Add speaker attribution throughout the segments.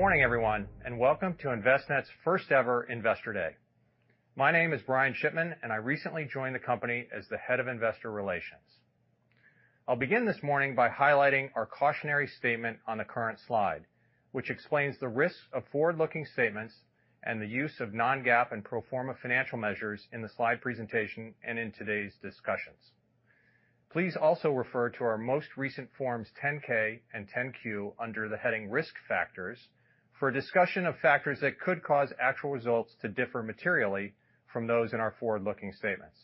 Speaker 1: Good morning, everyone, and welcome to Envestnet's first-ever Investor Day. My name is Brian Shipman, and I recently joined the company as the Head of Investor Relations. I'll begin this morning by highlighting our cautionary statement on the current slide, which explains the risks of forward-looking statements and the use of non-GAAP and pro forma financial measures in the slide presentation and in today's discussions. Please also refer to our most recent Forms 10-K and 10-Q under the heading Risk Factors for a discussion of factors that could cause actual results to differ materially from those in our forward-looking statements.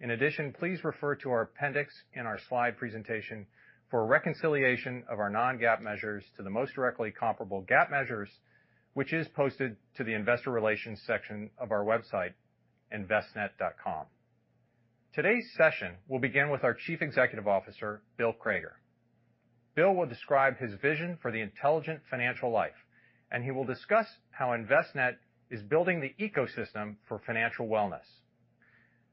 Speaker 1: In addition, please refer to our appendix in our slide presentation for a reconciliation of our non-GAAP measures to the most directly comparable GAAP measures, which is posted to the investor relations section of our website, envestnet.com. Today's session will begin with our Chief Executive Officer, Bill Crager. Bill will describe his vision for the intelligent financial life, and he will discuss how Envestnet is building the ecosystem for financial wellness.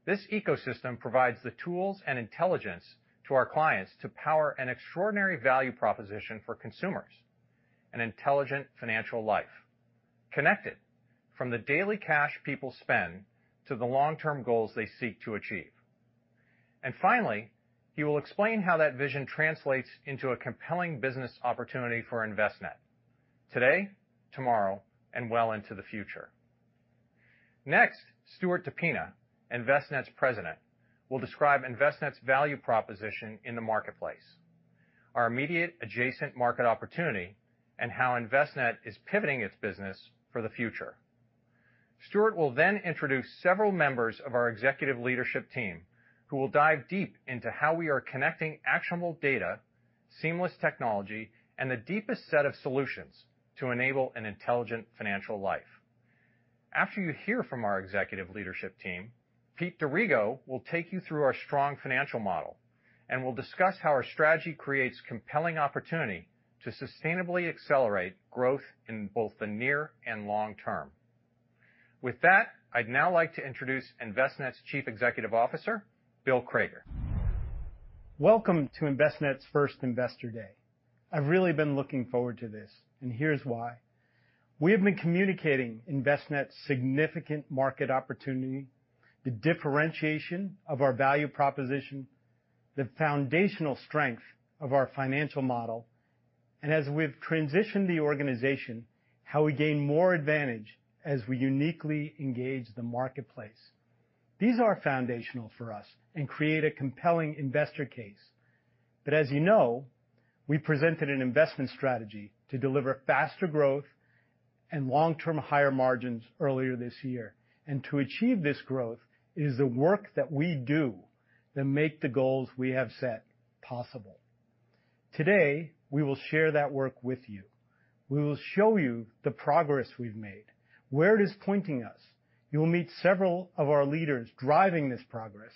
Speaker 1: This ecosystem provides the tools and intelligence to our clients to power an extraordinary value proposition for consumers, an intelligent financial life, connected from the daily cash people spend to the long-term goals they seek to achieve. Finally, he will explain how that vision translates into a compelling business opportunity for Envestnet today, tomorrow, and well into the future. Next, Stuart DePina, Envestnet's President, will describe Envestnet's value proposition in the marketplace, our immediate adjacent market opportunity, and how Envestnet is pivoting its business for the future. Stuart will then introduce several members of our executive leadership team who will dive deep into how we are connecting actionable data, seamless technology, and the deepest set of solutions to enable an intelligent financial life. After you hear from our executive leadership team, Pete D'Arrigo will take you through our strong financial model and will discuss how our strategy creates compelling opportunity to sustainably accelerate growth in both the near and long term. With that, I'd now like to introduce Envestnet's Chief Executive Officer, Bill Crager.
Speaker 2: Welcome to Envestnet's first Investor Day. I've really been looking forward to this. Here's why. We have been communicating Envestnet's significant market opportunity, the differentiation of our value proposition, the foundational strength of our financial model. As we've transitioned the organization, how we gain more advantage as we uniquely engage the marketplace. These are foundational for us and create a compelling investor case. As you know, we presented an investment strategy to deliver faster growth and long-term higher margins earlier this year. To achieve this growth, it is the work that we do that make the goals we have set possible. Today, we will share that work with you. We will show you the progress we've made, where it is pointing us. You'll meet several of our leaders driving this progress,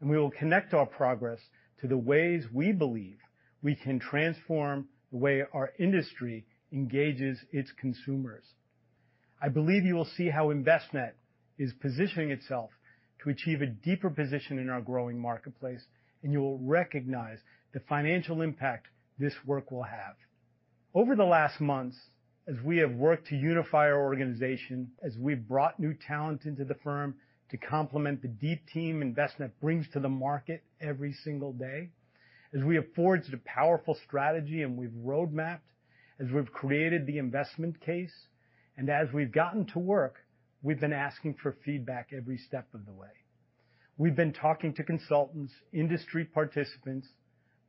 Speaker 2: and we will connect our progress to the ways we believe we can transform the way our industry engages its consumers. I believe you will see how Envestnet is positioning itself to achieve a deeper position in our growing marketplace, and you will recognize the financial impact this work will have. Over the last months, as we have worked to unify our organization, as we've brought new talent into the firm to complement the deep team Envestnet brings to the market every single day, as we have forged a powerful strategy, and we've roadmapped, as we've created the investment case, and as we've gotten to work, we've been asking for feedback every step of the way. We've been talking to consultants, industry participants.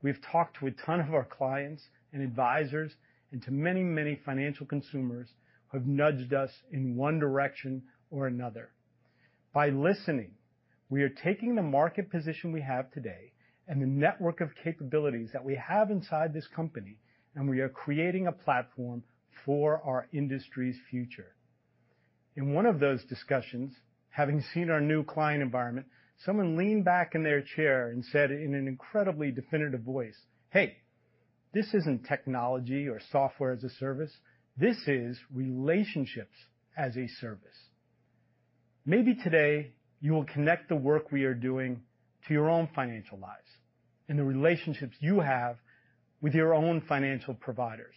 Speaker 2: We've talked to a ton of our clients and advisors, and to many, many financial consumers who have nudged us in one direction or another. By listening, we are taking the market position we have today and the network of capabilities that we have inside this company, and we are creating a platform for our industry's future. In one of those discussions, having seen our new client environment, someone leaned back in their chair and said in an incredibly definitive voice, "Hey, this isn't technology or software as a service. This is relationships as a service." Maybe today you will connect the work we are doing to your own financial lives and the relationships you have with your own financial providers.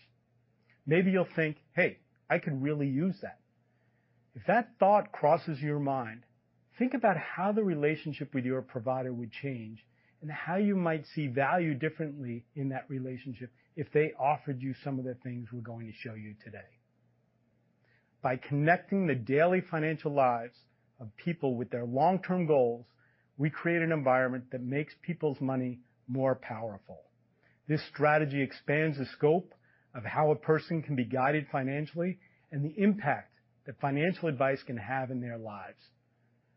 Speaker 2: Maybe you'll think, "Hey, I could really use that." If that thought crosses your mind, think about how the relationship with your provider would change and how you might see value differently in that relationship if they offered you some of the things we're going to show you today. By connecting the daily financial lives of people with their long-term goals, we create an environment that makes people's money more powerful. This strategy expands the scope of how a person can be guided financially and the impact that financial advice can have in their lives.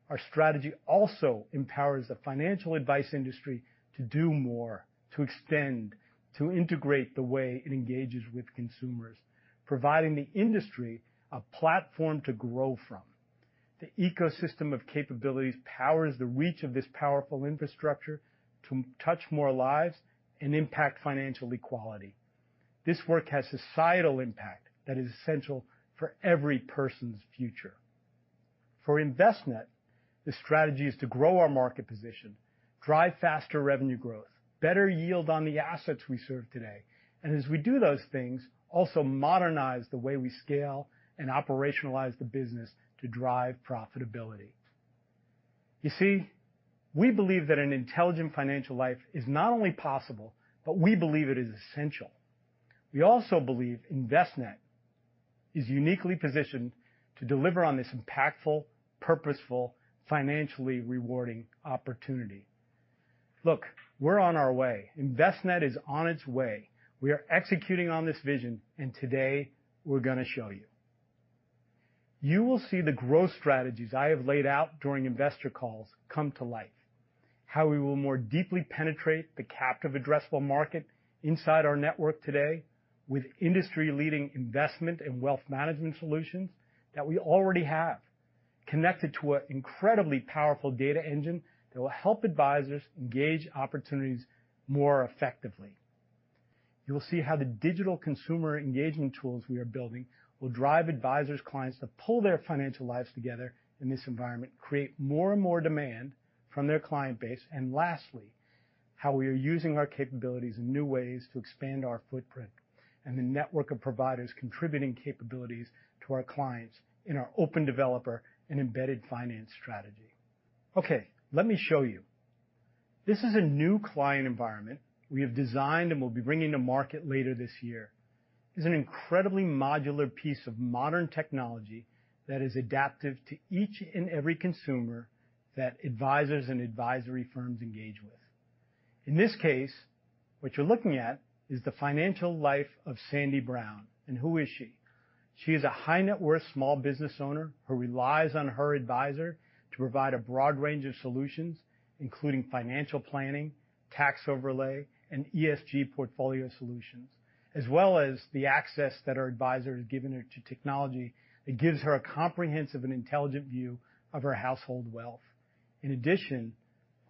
Speaker 2: Our strategy also empowers the financial advice industry to do more, to extend, to integrate the way it engages with consumers, providing the industry a platform to grow from. The ecosystem of capabilities powers the reach of this powerful infrastructure to touch more lives and impact financial equality. This work has societal impact that is essential for every person's future. For Envestnet, the strategy is to grow our market position, drive faster revenue growth, better yield on the assets we serve today, and as we do those things, also modernize the way we scale and operationalize the business to drive profitability. You see, we believe that an intelligent financial life is not only possible, but we believe it is essential. We also believe Envestnet is uniquely positioned to deliver on this impactful, purposeful, financially rewarding opportunity. Look, we're on our way. Envestnet is on its way. We are executing on this vision, today we're going to show you. You will see the growth strategies I have laid out during investor calls come to life, how we will more deeply penetrate the captive addressable market inside our network today with industry-leading investment and wealth management solutions that we already have, connected to an incredibly powerful data engine that will help advisors engage opportunities more effectively. You'll see how the digital consumer engagement tools we are building will drive advisors' clients to pull their financial lives together in this environment, create more and more demand from their client base, and lastly, how we are using our capabilities in new ways to expand our footprint, and the network of providers contributing capabilities to our clients in our open developer and embedded finance strategy. Okay, let me show you. This is a new client environment we have designed and we'll be bringing to market later this year. This is an incredibly modular piece of modern technology that is adaptive to each and every consumer that advisors and advisory firms engage with. In this case, what you're looking at is the financial life of Sandy Brown. Who is she? She is a high-net-worth small business owner who relies on her advisor to provide a broad range of solutions, including financial planning, Tax Overlay, and ESG portfolio solutions, as well as the access that her advisor has given her to technology that gives her a comprehensive and intelligent view of her household wealth. In addition,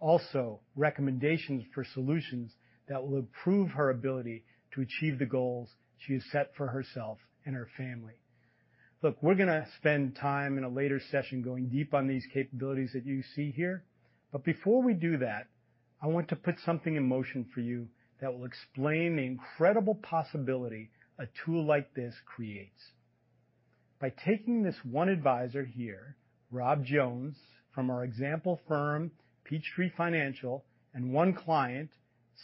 Speaker 2: also recommendations for solutions that will improve her ability to achieve the goals she has set for herself and her family. Look, we're going to spend time in a later session going deep on these capabilities that you see here. Before we do that, I want to put something in motion for you that will explain the incredible possibility a tool like this creates. By taking this one advisor here, Rob Jones, from our example firm, Peachtree Financial, and one client,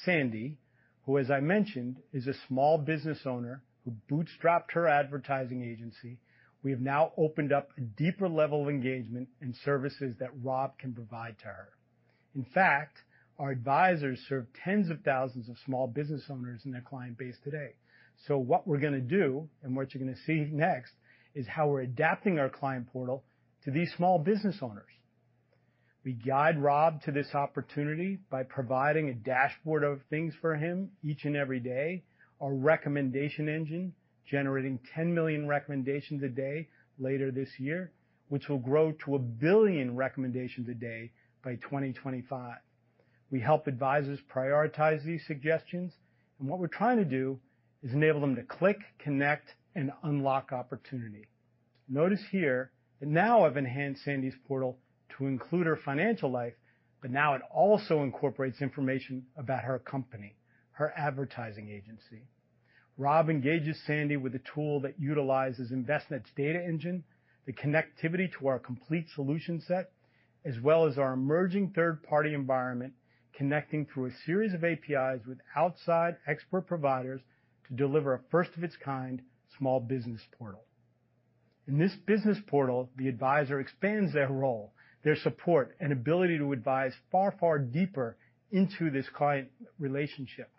Speaker 2: Sandy, who, as I mentioned, is a small business owner who bootstrapped her advertising agency, we have now opened up a deeper level of engagement and services that Rob can provide to her. In fact, our advisors serve tens of thousands of small business owners in their client base today. What we're going to do, and what you're going to see next, is how we're adapting our client portal to these small business owners. We guide Rob to this opportunity by providing a dashboard of things for him each and every day, our Recommendations Engine, generating 10 million recommendations a day later this year, which will grow to 1 billion recommendations a day by 2025. We help advisors prioritize these suggestions, and what we're trying to do is enable them to click, connect, and unlock opportunity. Notice here that now I've enhanced Sandy's portal to include her financial life, but now it also incorporates information about her company, her advertising agency. Rob engages Sandy with a tool that utilizes Envestnet's data engine, the connectivity to our complete solution set, as well as our emerging third-party environment, connecting through a series of APIs with outside expert providers to deliver a first of its kind small business portal. In this business portal, the advisor expands their role, their support, and ability to advise far, far deeper into this client relationship.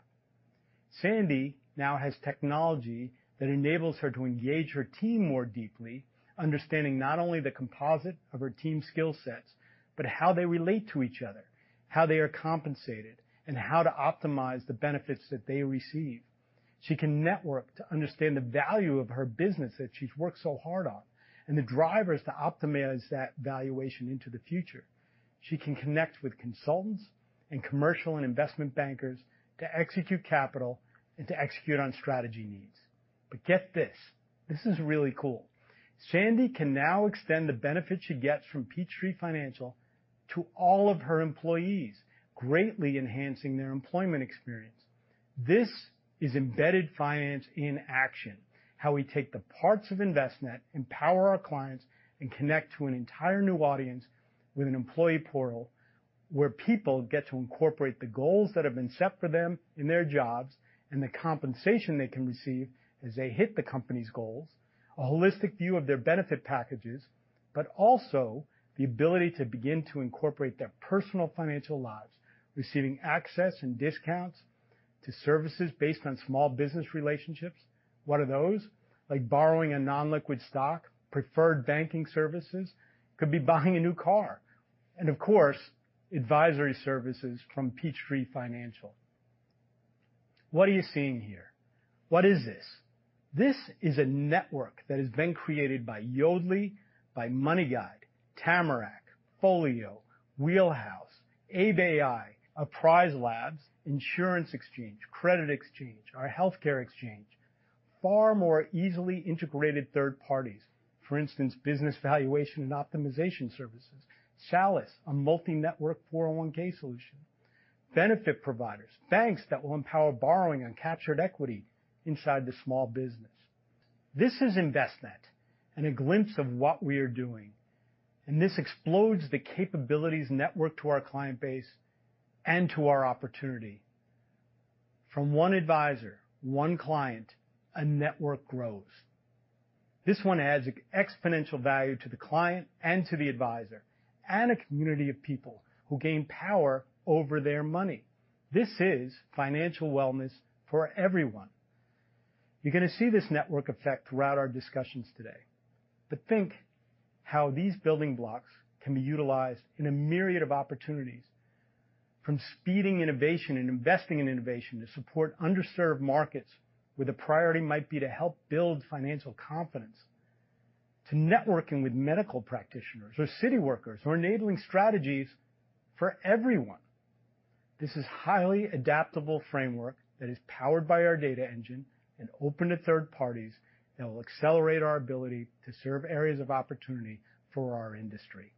Speaker 2: Sandy now has technology that enables her to engage her team more deeply, understanding not only the composite of her team's skill sets, but how they relate to each other, how they are compensated, and how to optimize the benefits that they receive. She can network to understand the value of her business that she's worked so hard on, and the drivers to optimize that valuation into the future. She can connect with consultants and commercial and investment bankers to execute capital and to execute on strategy needs. But get this is really cool. Sandy can now extend the benefits she gets from Peachtree Financial to all of her employees, greatly enhancing their employment experience. This is embedded finance in action. How we take the parts of Envestnet, empower our clients, and connect to an entire new audience with an employee portal where people get to incorporate the goals that have been set for them in their jobs and the compensation they can receive as they hit the company's goals, a holistic view of their benefit packages, but also the ability to begin to incorporate their personal financial lives, receiving access and discounts to services based on small business relationships. What are those? Like borrowing a non-liquid stock, preferred banking services, could be buying a new car, and of course, advisory services from Peachtree Financial. What are you seeing here? What is this? This is a network that has been created by Yodlee, by MoneyGuide, Tamarac, Folio, Wheelhouse, Abe AI, Apprise Labs, Insurance Exchange, Credit Exchange, our Health Exchange. Far more easily integrated third parties. For instance, business valuation and optimization services. Chalice, a multi-network 401 solution, benefit providers, banks that will empower borrowing on captured equity inside the small business. This is Envestnet and a glimpse of what we are doing. This explodes the capabilities network to our client base and to our opportunity. From one advisor, one client, a network grows. This one adds exponential value to the client and to the advisor, and a community of people who gain power over their money. This is financial wellness for everyone. You're going to see this network effect throughout our discussions today. Think how these building blocks can be utilized in a myriad of opportunities, from speeding innovation and investing in innovation to support underserved markets, where the priority might be to help build financial confidence, to networking with medical practitioners or city workers or enabling strategies for everyone. This is highly adaptable framework that is powered by our data engine and open to third parties that will accelerate our ability to serve areas of opportunity for our industry,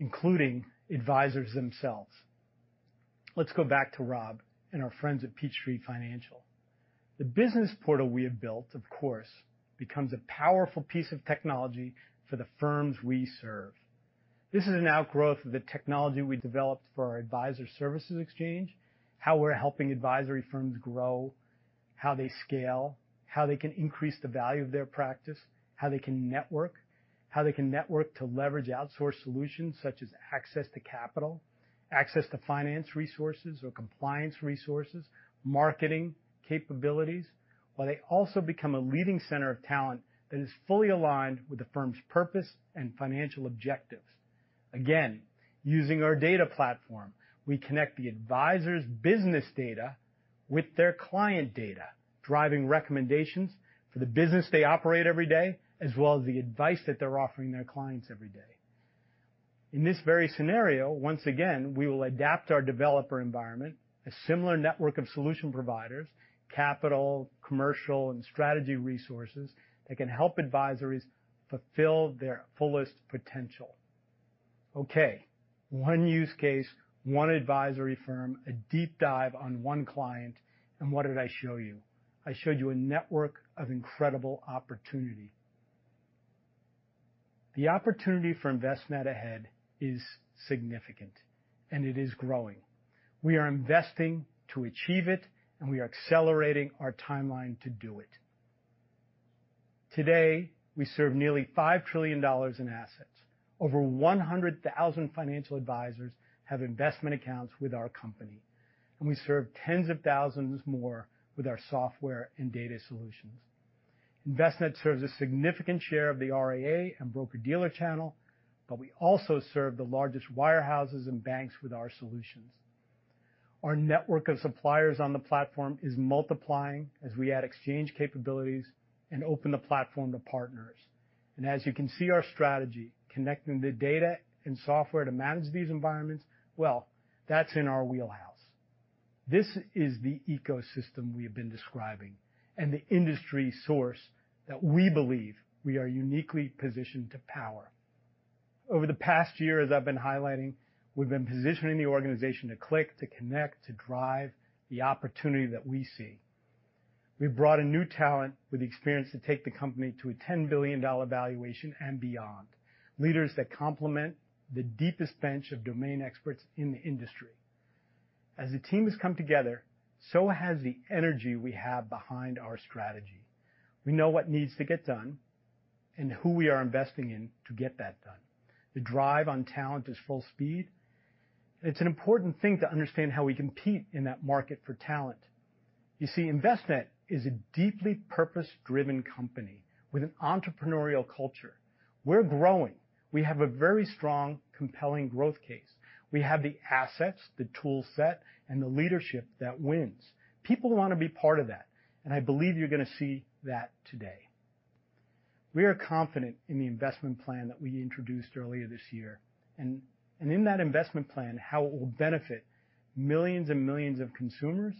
Speaker 2: including advisors themselves. Let's go back to Rob and our friends at Peachtree Financial. The business portal we have built, of course, becomes a powerful piece of technology for the firms we serve. This is now growth of the technology we developed for our Advisor Services Exchange, how we're helping advisory firms grow, how they scale, how they can increase the value of their practice, how they can network, how they can network to leverage outsourced solutions such as access to capital, access to finance resources or compliance resources, marketing capabilities, while they also become a leading center of talent that is fully aligned with the firm's purpose and financial objectives. Again, using our data platform, we connect the advisor's business data with their client data, driving recommendations for the business they operate every day, as well as the advice that they're offering their clients every day. In this very scenario, once again, we will adapt our developer environment, a similar network of solution providers, capital, commercial, and strategy resources that can help advisories fulfill their fullest potential. Okay, one use case, one advisory firm, a deep dive on one client, what did I show you? I showed you a network of incredible opportunity. The opportunity for Envestnet ahead is significant, and it is growing. We are investing to achieve it, and we are accelerating our timeline to do it. Today, we serve nearly $5 trillion in assets. Over 100,000 financial advisors have investment accounts with our company, and we serve tens of thousands more with our software and data solutions. Envestnet serves a significant share of the RIA and broker-dealer channel, but we also serve the largest wirehouses and banks with our solutions. As you can see, our strategy, connecting the data and software to manage these environments, well, that's in our wheelhouse. This is the ecosystem we have been describing and the industry source that we believe we are uniquely positioned to power. Over the past year, as I've been highlighting, we've been positioning the organization to click, to connect, to drive the opportunity that we see. We've brought in new talent with experience to take the company to a $10 billion valuation and beyond, leaders that complement the deepest bench of domain experts in the industry. As the team has come together, so has the energy we have behind our strategy. We know what needs to get done and who we are investing in to get that done. The drive on talent is full speed, and it's an important thing to understand how we compete in that market for talent. You see, Envestnet is a deeply purpose-driven company with an entrepreneurial culture. We're growing. We have a very strong, compelling growth case. We have the assets, the toolset, and the leadership that wins. People want to be part of that, and I believe you're going to see that today. We are confident in the investment plan that we introduced earlier this year, and in that investment plan, how it will benefit millions and millions of consumers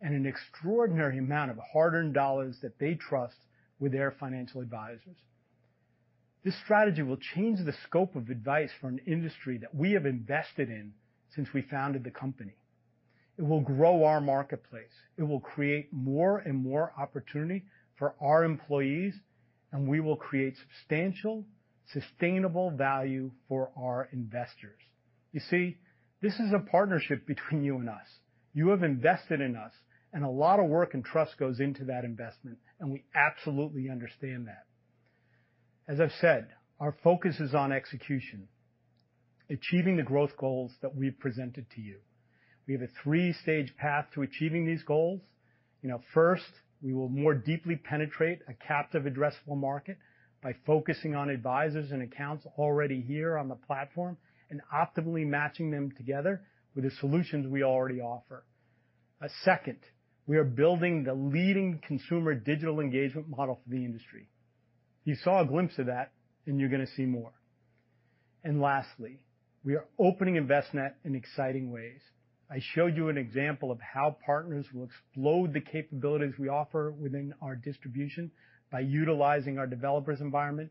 Speaker 2: and an extraordinary amount of hard-earned dollars that they trust with their financial advisors. This strategy will change the scope of advice for an industry that we have invested in since we founded the company. It will grow our marketplace. It will create more and more opportunity for our employees, and we will create substantial, sustainable value for our investors. You see, this is a partnership between you and us. You have invested in us, and a lot of work and trust goes into that investment, and we absolutely understand that. As I've said, our focus is on execution, achieving the growth goals that we've presented to you. We have a 3-stage path to achieving these goals. First, we will more deeply penetrate a captive addressable market by focusing on advisors and accounts already here on the platform and optimally matching them together with the solutions we already offer. Second, we are building the leading consumer digital engagement model for the industry. You saw a glimpse of that, and you're going to see more. Lastly, we are opening Envestnet in exciting ways. I showed you an example of how partners will explode the capabilities we offer within our distribution by utilizing our developers environment.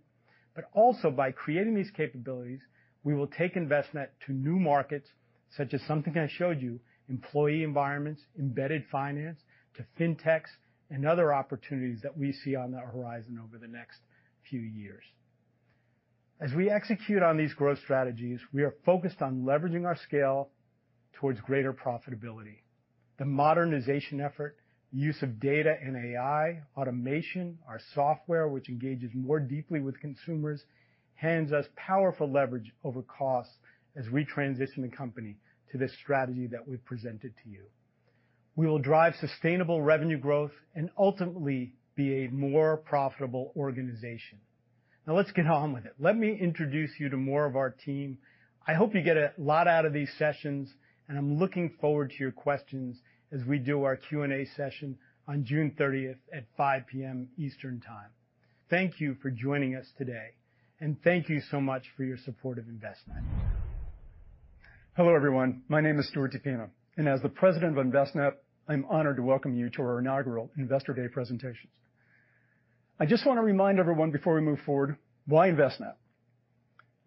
Speaker 2: Also by creating these capabilities, we will take Envestnet to new markets, such as something I showed you, employee environments, embedded finance to fintechs, and other opportunities that we see on the horizon over the next few years. As we execute on these growth strategies, we are focused on leveraging our scale towards greater profitability. The modernization effort, the use of data and AI, automation, our software, which engages more deeply with consumers, hands us powerful leverage over costs as we transition the company to this strategy that we've presented to you. We will drive sustainable revenue growth and ultimately be a more profitable organization. Now let's get on with it. Let me introduce you to more of our team. I hope you get a lot out of these sessions, and I'm looking forward to your questions as we do our Q&A session on June 30 at 5:00 P.M. Eastern Time. Thank you for joining us today, and thank you so much for your support of Envestnet.
Speaker 3: Hello, everyone. My name is Stuart DePina, and as the President of Envestnet, I'm honored to welcome you to our inaugural Investor Day presentation. I just want to remind everyone before we move forward, why Envestnet?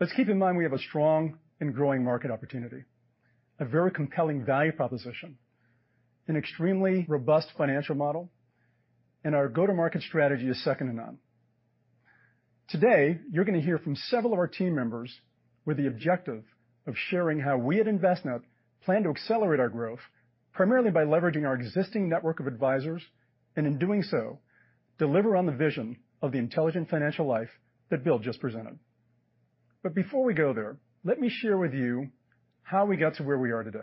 Speaker 3: Let's keep in mind we have a strong and growing market opportunity, a very compelling value proposition, an extremely robust financial model, and our go-to-market strategy is second to none. Today, you're going to hear from several of our team members with the objective of sharing how we at Envestnet plan to accelerate our growth, primarily by leveraging our existing network of advisors, and in doing so, deliver on the vision of the intelligent financial life that Bill just presented. Before we go there, let me share with you how we got to where we are today.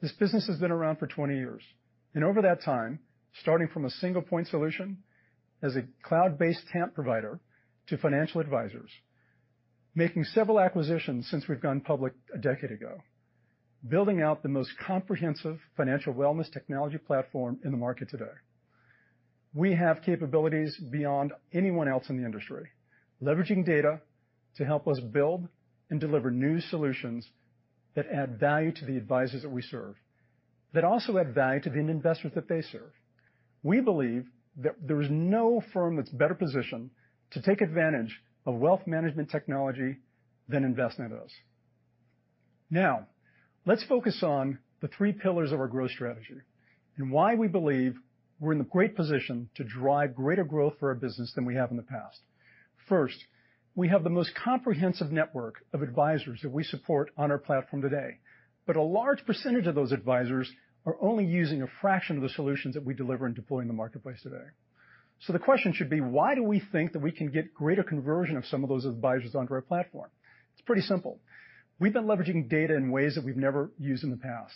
Speaker 3: This business has been around for 20 years, and over that time, starting from a single point solution as a cloud-based TAMP provider to financial advisors, making several acquisitions since we've gone public a decade ago, building out the most comprehensive financial wellness technology platform in the market today. We have capabilities beyond anyone else in the industry, leveraging data to help us build and deliver new solutions that add value to the advisors that we serve, that also add value to the investors that they serve. We believe that there is no firm that's better positioned to take advantage of wealth management technology than Envestnet is. Now, let's focus on the three pillars of our growth strategy and why we believe we're in a great position to drive greater growth for our business than we have in the past. First, we have the most comprehensive network of advisors that we support on our platform today, but a large % of those advisors are only using a fraction of the solutions that we deliver and deploy in the marketplace today. The question should be, why do we think that we can get greater conversion of some of those advisors onto our platform? It's pretty simple. We've been leveraging data in ways that we've never used in the past.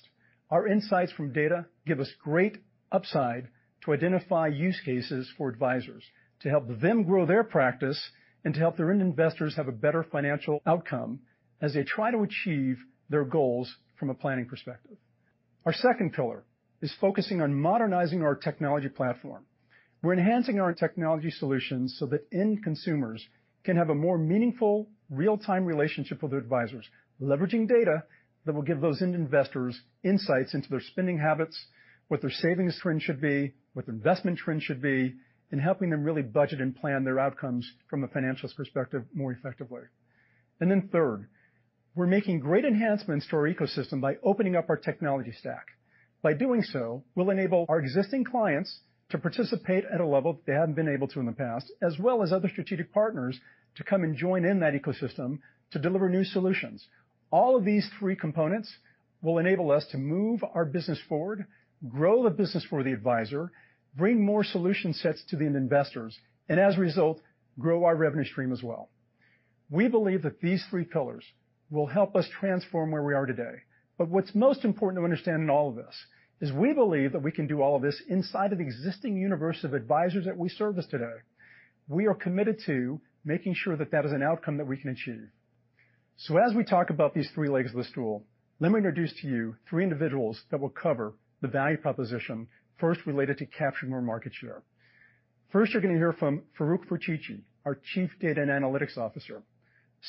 Speaker 3: Our insights from data give us great upside to identify use cases for advisors to help them grow their practice and to help their investors have a better financial outcome as they try to achieve their goals from a planning perspective. Our second pillar is focusing on modernizing our technology platform. We're enhancing our technology solutions so that end consumers can have a more meaningful real-time relationship with advisors, leveraging data that will give those end investors insights into their spending habits, what their savings trend should be, what their investment trend should be, and helping them really budget and plan their outcomes from a financial perspective more effectively. Then third, we're making great enhancements to our ecosystem by opening up our technology stack. By doing so, we'll enable our existing clients to participate at a level that they haven't been able to in the past, as well as other strategic partners to come and join in that ecosystem to deliver new solutions. All of these three components will enable us to move our business forward, grow the business for the advisor, bring more solution sets to the investors, and as a result, grow our revenue stream as well. We believe that these three pillars will help us transform where we are today. What's most important to understand in all of this is we believe that we can do all of this inside of the existing universe of advisors that we service today. We are committed to making sure that that is an outcome that we can achieve. As we talk about these three legs of the stool, let me introduce to you three individuals that will cover the value proposition, first related to capturing more market share. First, you're going to hear from Farouk Ferchichi, our Chief Data and Analytics Officer.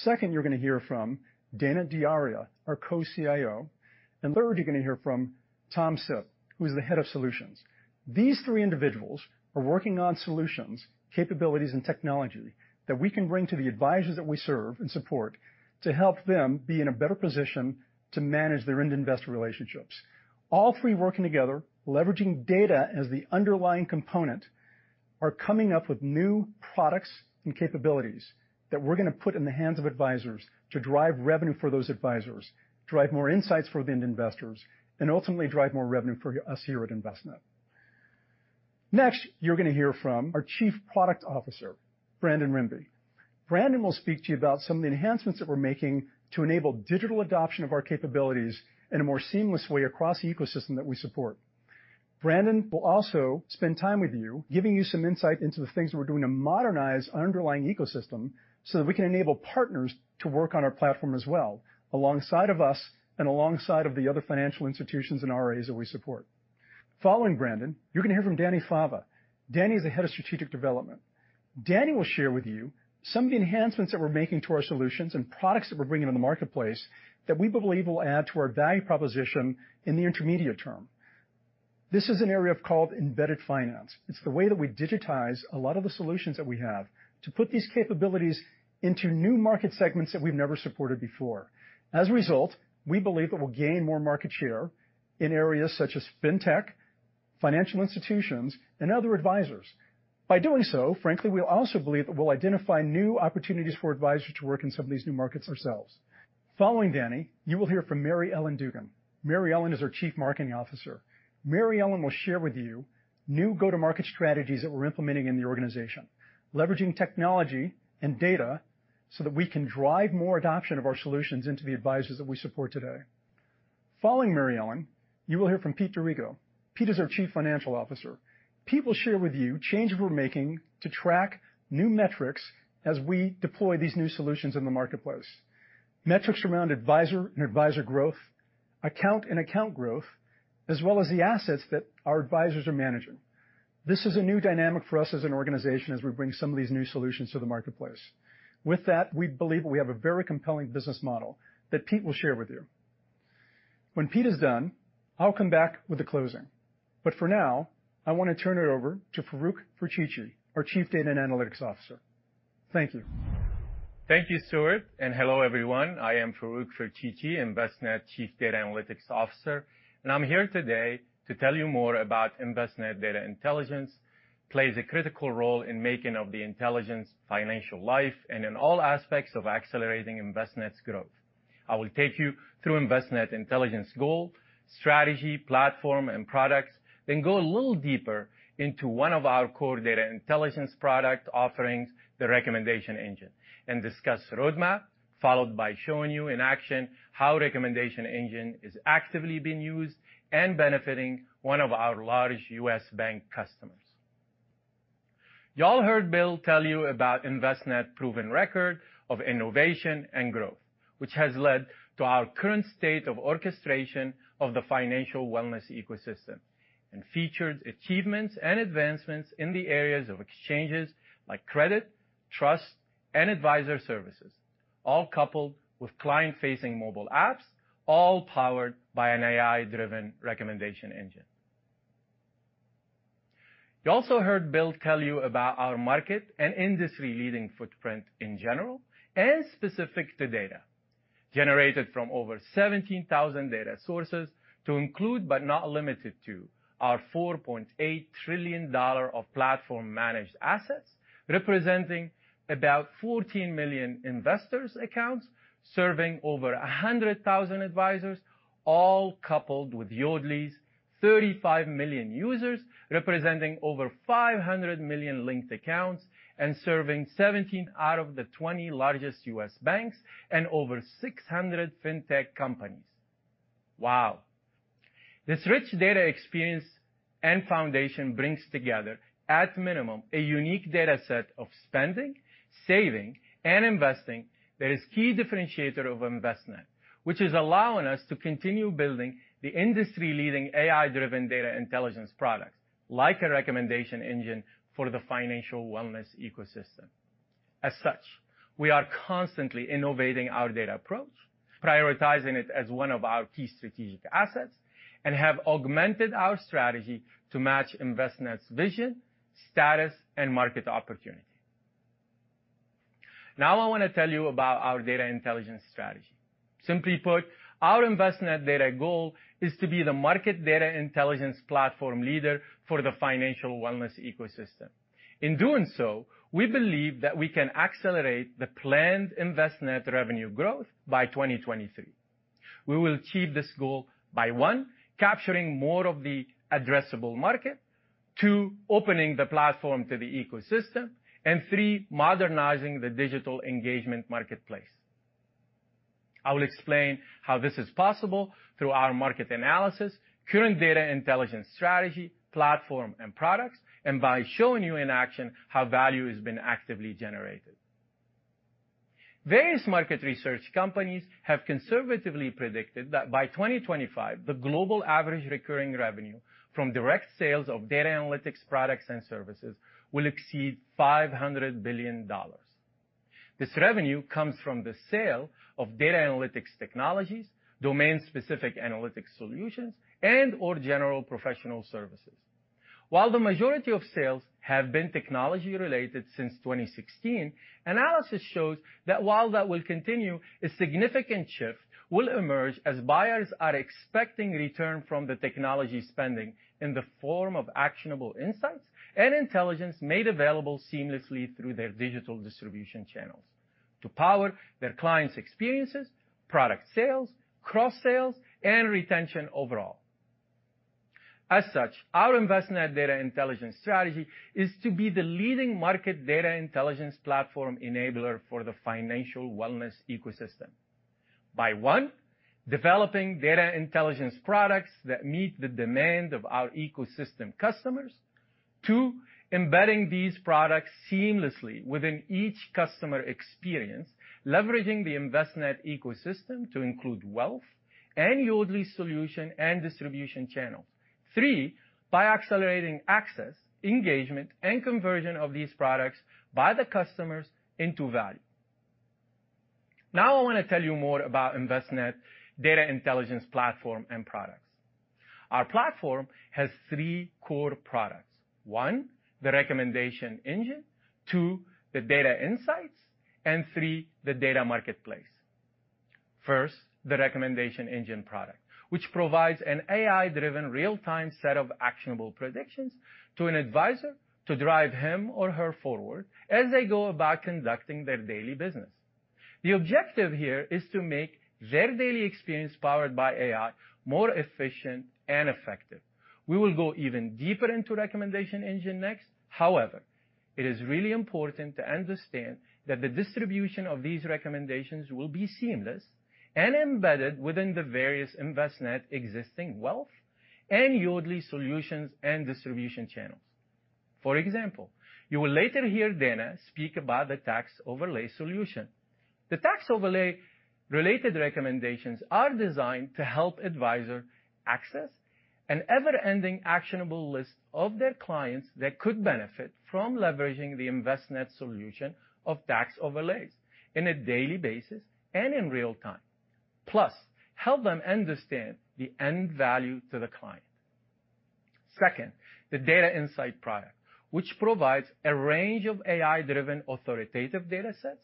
Speaker 3: Second, you're going to hear from Dana D'Auria, our Co-CIO. Third, you're going to hear from Tom Sipp, who's the Head of Solutions. These three individuals are working on solutions, capabilities, and technology that we can bring to the advisors that we serve and support to help them be in a better position to manage their end investor relationships. All three working together, leveraging data as the underlying component, are coming up with new products and capabilities that we're going to put in the hands of advisors to drive revenue for those advisors, drive more insights for the end investors, and ultimately drive more revenue for us here at Envestnet. Next, you're going to hear from our Chief Product Officer, Brandon Rembe. Brandon will speak to you about some of the enhancements that we're making to enable digital adoption of our capabilities in a more seamless way across the ecosystem that we support. Brandon will also spend time with you giving you some insight into the things we're doing to modernize the underlying ecosystem so that we can enable partners to work on our platform as well, alongside of us and alongside of the other financial institutions and RIAs that we support. Following Brandon, you're going to hear from Dani Fava. Dani is the Head of Strategic Development. Dani will share with you some of the enhancements that we're making to our solutions and products that we're bringing to the marketplace that we believe will add to our value proposition in the intermediate term. This is an area called embedded finance. It's the way that we digitize a lot of the solutions that we have to put these capabilities into new market segments that we've never supported before. As a result, we believe it will gain more market share in areas such as fintech, financial institutions, and other advisors. By doing so, frankly, we also believe it will identify new opportunities for advisors to work in some of these new markets ourselves. Following Dani, you will hear from Mary Ellen Dugan. Mary Ellen is our Chief Marketing Officer. Mary Ellen will share with you new go-to-market strategies that we're implementing in the organization, leveraging technology and data so that we can drive more adoption of our solutions into the advisors that we support today. Following Mary Ellen, you will hear from Pete D'Arrigo. Pete is our Chief Financial Officer. Pete will share with you changes we're making to track new metrics as we deploy these new solutions in the marketplace. Metrics around advisor and advisor growth, account and account growth, as well as the assets that our advisors are managing. This is a new dynamic for us as an organization as we bring some of these new solutions to the marketplace. We believe we have a very compelling business model that Pete will share with you. When Pete is done, I'll come back with the closing. For now, I want to turn it over to Farouk Ferchichi, our Chief Data and Analytics Officer. Thank you.
Speaker 4: Thank you, Stuart, and hello, everyone. I am Farouk Ferchichi, Envestnet Chief Data and Analytics Officer, and I'm here today to tell you more about Envestnet Data Intelligence plays a critical role in making of the intelligence financial life and in all aspects of accelerating Envestnet's growth. I will take you through Envestnet Data Intelligence goal, strategy, platform, and products, then go a little deeper into one of our core data intelligence product offerings, the Recommendations Engine, and discuss roadmap, followed by showing you in action how Recommendations Engine is actively being used and benefiting one of our large U.S. bank customers. You all heard Bill tell you about Envestnet proven record of innovation and growth, which has led to our current state of orchestration of the financial wellness ecosystem and featured achievements and advancements in the areas of exchanges like credit, trust, and advisor services, all coupled with client-facing mobile apps, all powered by an AI-driven Recommendations Engine. You also heard Bill tell you about our market and industry-leading footprint in general and specific to data generated from over 17,000 data sources to include, but not limited to, our $4.8 trillion of platform-managed assets, representing about 14 million investors accounts, serving over 100,000 advisors, all coupled with Yodlee's 35 million users, representing over 500 million linked accounts and serving 17 out of the 20 largest U.S. banks and over 600 fintech companies. Wow. This rich data experience and foundation brings together, at minimum, a unique data set of spending, saving, and investing that is key differentiator of Envestnet, which is allowing us to continue building the industry-leading AI-driven data intelligence product, like a Recommendations Engine for the financial wellness ecosystem. We are constantly innovating our data approach, prioritizing it as one of our key strategic assets, and have augmented our strategy to match Envestnet's vision, status, and market opportunity. I want to tell you about our data intelligence strategy. Simply put, our Envestnet data goal is to be the market data intelligence platform leader for the financial wellness ecosystem. We believe that we can accelerate the planned Envestnet revenue growth by 2023. We will achieve this goal by, one, capturing more of the addressable market, two, opening the platform to the ecosystem, and three, modernizing the digital engagement marketplace. I will explain how this is possible through our market analysis, current data intelligence strategy, platform, and products, and by showing you in action how value is being actively generated. Various market research companies have conservatively predicted that by 2025, the global average recurring revenue from direct sales of data analytics products and services will exceed $500 billion. This revenue comes from the sale of data analytics technologies, domain-specific analytics solutions, and/or general professional services. While the majority of sales have been technology-related since 2016, analysis shows that while that will continue, a significant shift will emerge as buyers are expecting return from the technology spending in the form of actionable insights and intelligence made available seamlessly through their digital distribution channels to power their clients' experiences, product sales, cross-sales, and retention overall. As such, our Envestnet Data Intelligence strategy is to be the leading market data intelligence platform enabler for the financial wellness ecosystem by, one, developing data intelligence products that meet the demand of our ecosystem customers. Two, embedding these products seamlessly within each customer experience, leveraging the Envestnet ecosystem to include Wealth and Yodlee solution and distribution channels. Three, by accelerating access, engagement, and conversion of these products by the customers into value. I want to tell you more about Envestnet Data Intelligence platform and products. Our platform has three core products. One, the Recommendations Engine, two, the data insights, and three, the data marketplace. First, the Recommendations Engine product, which provides an AI-driven real-time set of actionable predictions to an advisor to drive him or her forward as they go about conducting their daily business. The objective here is to make their daily experience powered by AI more efficient and effective. We will go even deeper into Recommendations Engine next. It is really important to understand that the distribution of these recommendations will be seamless and embedded within the various Envestnet existing wealth and Yodlee solutions and distribution channels. For example, you will later hear Dana speak about the Tax Overlay solution. The Tax Overlay related recommendations are designed to help advisor access an ever-ending actionable list of their clients that could benefit from leveraging the Envestnet solution of Tax Overlays on a daily basis and in real-time. Help them understand the end value to the client. Second, the data insight product, which provides a range of AI-driven authoritative datasets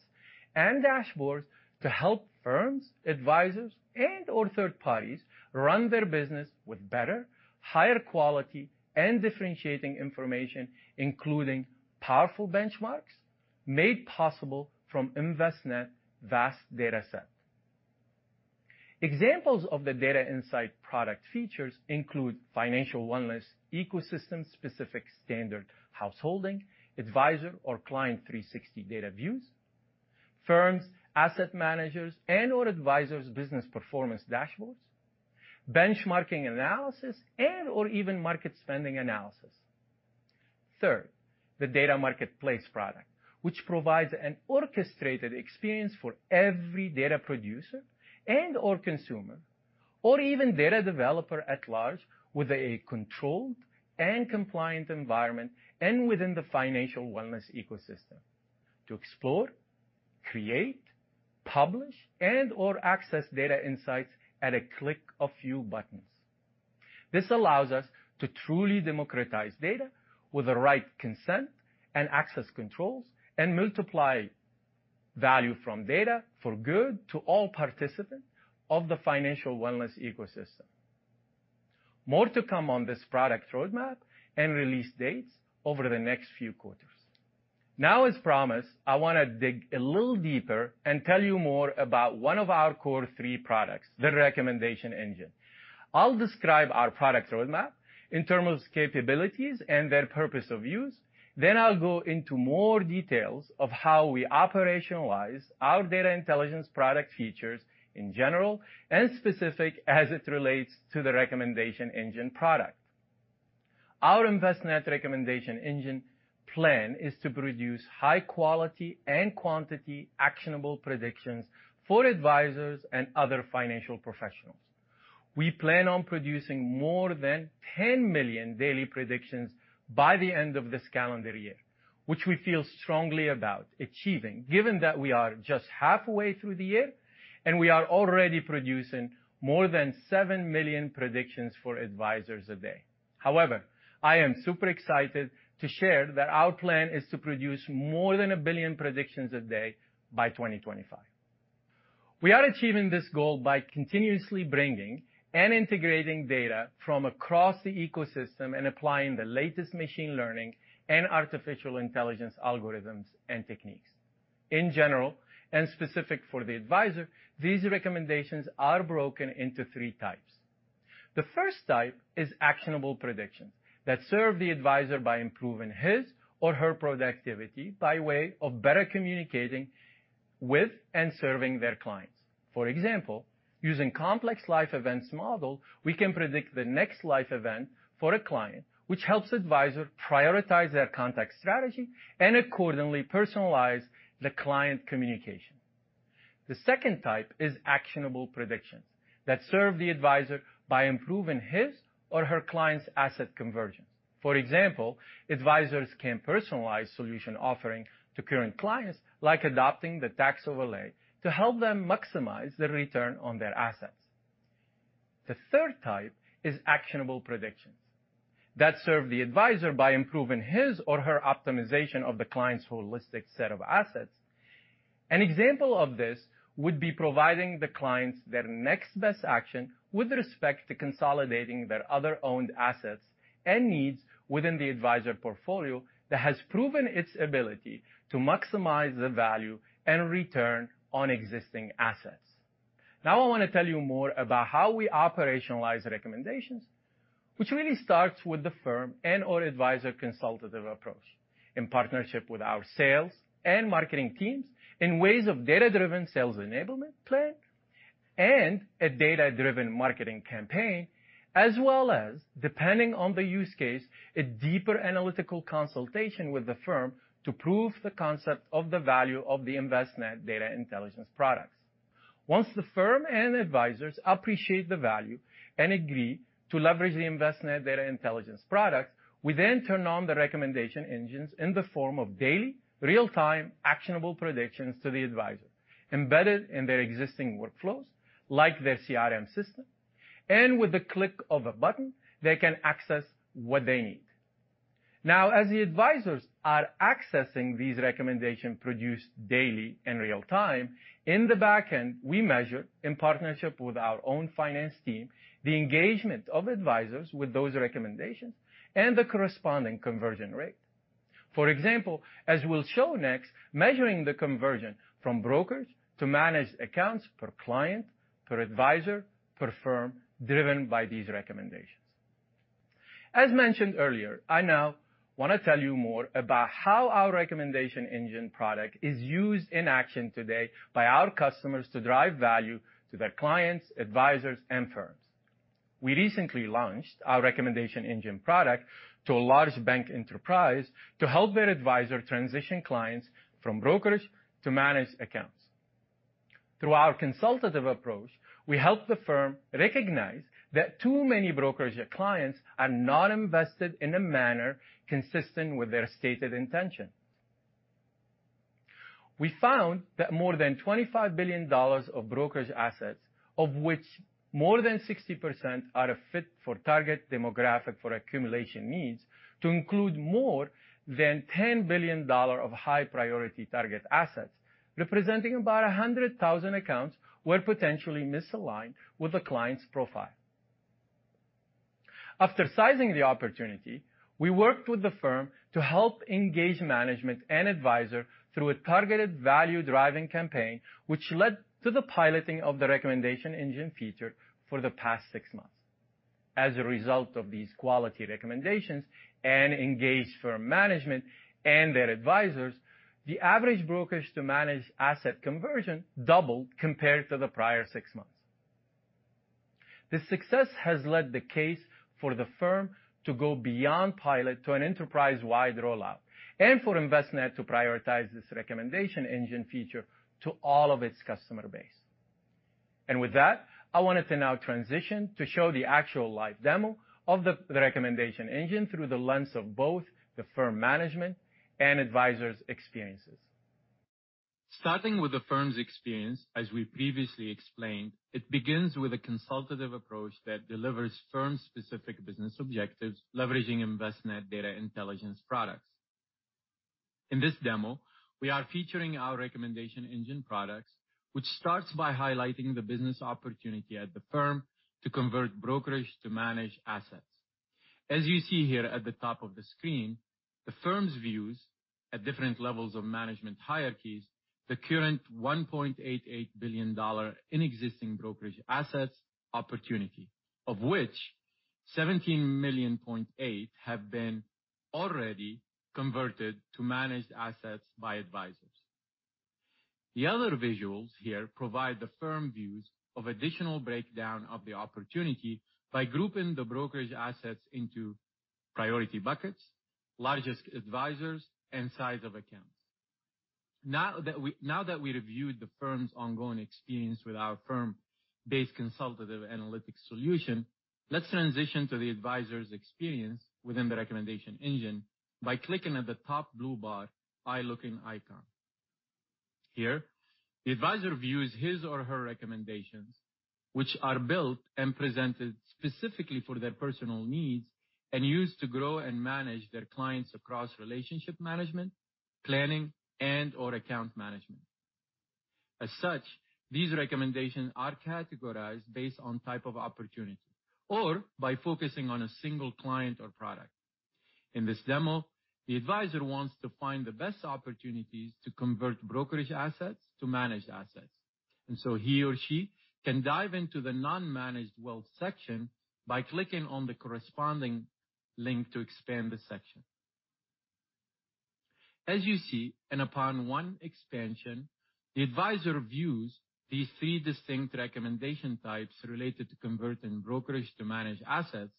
Speaker 4: and dashboards to help firms, advisors, and/or third parties run their business with better, higher quality, and differentiating information, including powerful benchmarks made possible from Envestnet vast dataset. Examples of the data insight product features include financial wellness ecosystem-specific standard householding, advisor or client 360 data views, firms, asset managers, and/or advisors business performance dashboards, benchmarking analysis, and/or even market spending analysis. Third, the data marketplace product, which provides an orchestrated experience for every data producer and/or consumer or even data developer at large with a controlled and compliant environment and within the financial wellness ecosystem to explore, create, publish, and/or access data insights at a click of few buttons. This allows us to truly democratize data with the right consent and access controls and multiply value from data for good to all participants of the financial wellness ecosystem. More to come on this product roadmap and release dates over the next few quarters. As promised, I want to dig a little deeper and tell you more about one of our core three products, the Recommendations Engine. I'll describe our product roadmap in terms of capabilities and their purpose of use. I'll go into more details of how we operationalize our Data Intelligence product features in general and specific as it relates to the Recommendations Engine product. Our Envestnet Recommendations Engine plan is to produce high quality and quantity actionable predictions for advisors and other financial professionals. We plan on producing more than 10 million daily predictions by the end of this calendar year, which we feel strongly about achieving, given that we are just halfway through the year, and we are already producing more than 7 million predictions for advisors a day. However, I am super excited to share that our plan is to produce more than 1 billion predictions a day by 2025. We are achieving this goal by continuously bringing and integrating data from across the ecosystem and applying the latest machine learning and artificial intelligence algorithms and techniques. In general and specific for the advisor, these recommendations are broken into three types. The first type is actionable predictions that serve the advisor by improving his or her productivity by way of better communicating with and serving their clients. For example, using complex life events model, we can predict the next life event for a client, which helps advisor prioritize their contact strategy and accordingly personalize the client communication. The second type is actionable predictions that serve the advisor by improving his or her client's asset conversions. For example, advisors can personalize solution offering to current clients, like adopting the Tax Overlay to help them maximize the return on their assets. The third type is actionable predictions that serve the advisor by improving his or her optimization of the client's holistic set of assets. An example of this would be providing the clients their next best action with respect to consolidating their other owned assets and needs within the advisor portfolio that has proven its ability to maximize the value and return on existing assets. I want to tell you more about how we operationalize recommendations, which really starts with the firm and/or advisor consultative approach in partnership with our sales and marketing teams in ways of data-driven sales enablement plan and a data-driven marketing campaign, as well as, depending on the use case, a deeper analytical consultation with the firm to prove the concept of the value of the Envestnet Data Intelligence products. Once the firm and advisors appreciate the value and agree to leverage the Envestnet Data Intelligence products, we then turn on the Recommendations Engines in the form of daily, real-time, actionable predictions to the advisor, embedded in their existing workflows, like their CRM system. With the click of a button, they can access what they need. Now, as the advisors are accessing these Recommendations Engine produced daily in real time, in the back end, we measure, in partnership with our own finance team, the engagement of advisors with those recommendations and the corresponding conversion rate. For example, as we'll show next, measuring the conversion from brokers to managed accounts per client, per advisor, per firm, driven by these recommendations. As mentioned earlier, I now want to tell you more about how our Recommendations Engine product is used in action today by our customers to drive value to their clients, advisors, and firms. We recently launched our Recommendations Engine product to a large bank enterprise to help their advisor transition clients from brokers to managed accounts. Through our consultative approach, we helped the firm recognize that too many brokerage clients are not invested in a manner consistent with their stated intention. We found that more than $25 billion of brokerage assets, of which more than 60% are a fit for target demographic for accumulation needs, to include more than $10 billion of high-priority target assets, representing about 100,000 accounts were potentially misaligned with the client's profile. After sizing the opportunity, we worked with the firm to help engage management and advisor through a targeted value-driving campaign, which led to the piloting of the Recommendations Engine feature for the past six months. As a result of these quality recommendations and engaged firm management and their advisors, the average brokerage to managed asset conversion doubled compared to the prior six months. The success has led the case for the firm to go beyond pilot to an enterprise-wide rollout and for Envestnet to prioritize this Recommendations Engine feature to all of its customer base. With that, I wanted to now transition to show the actual live demo of the Recommendations Engine through the lens of both the firm management and advisor's experiences. Starting with the firm's experience, as we previously explained, it begins with a consultative approach that delivers firm-specific business objectives leveraging Envestnet data intelligence products. In this demo, we are featuring our Recommendations Engine products, which starts by highlighting the business opportunity at the firm to convert brokerage to managed assets. As you see here at the top of the screen, the firm's views at different levels of management hierarchies, the current $1.88 billion in existing brokerage assets opportunity, of which $17.8 million have been already converted to managed assets by advisors. The other visuals here provide the firm views of additional breakdown of the opportunity by grouping the brokerage assets into priority buckets, largest advisors, and size of accounts. Now that we've reviewed the firm's ongoing experience with our firm-based consultative analytics solution, let's transition to the advisor's experience within the Recommendations Engine by clicking on the top blue bar eye-looking icon. Here, the advisor views his or her recommendations, which are built and presented specifically for their personal needs and used to grow and manage their clients across relationship management, planning, and/or account management. As such, these recommendations are categorized based on type of opportunity or by focusing on a single client or product. In this demo, the advisor wants to find the best opportunities to convert brokerage assets to managed assets, he or she can dive into the non-managed wealth section by clicking on the corresponding link to expand the section. As you see, upon one expansion, the advisor views these three distinct recommendation types related to converting brokerage to managed assets.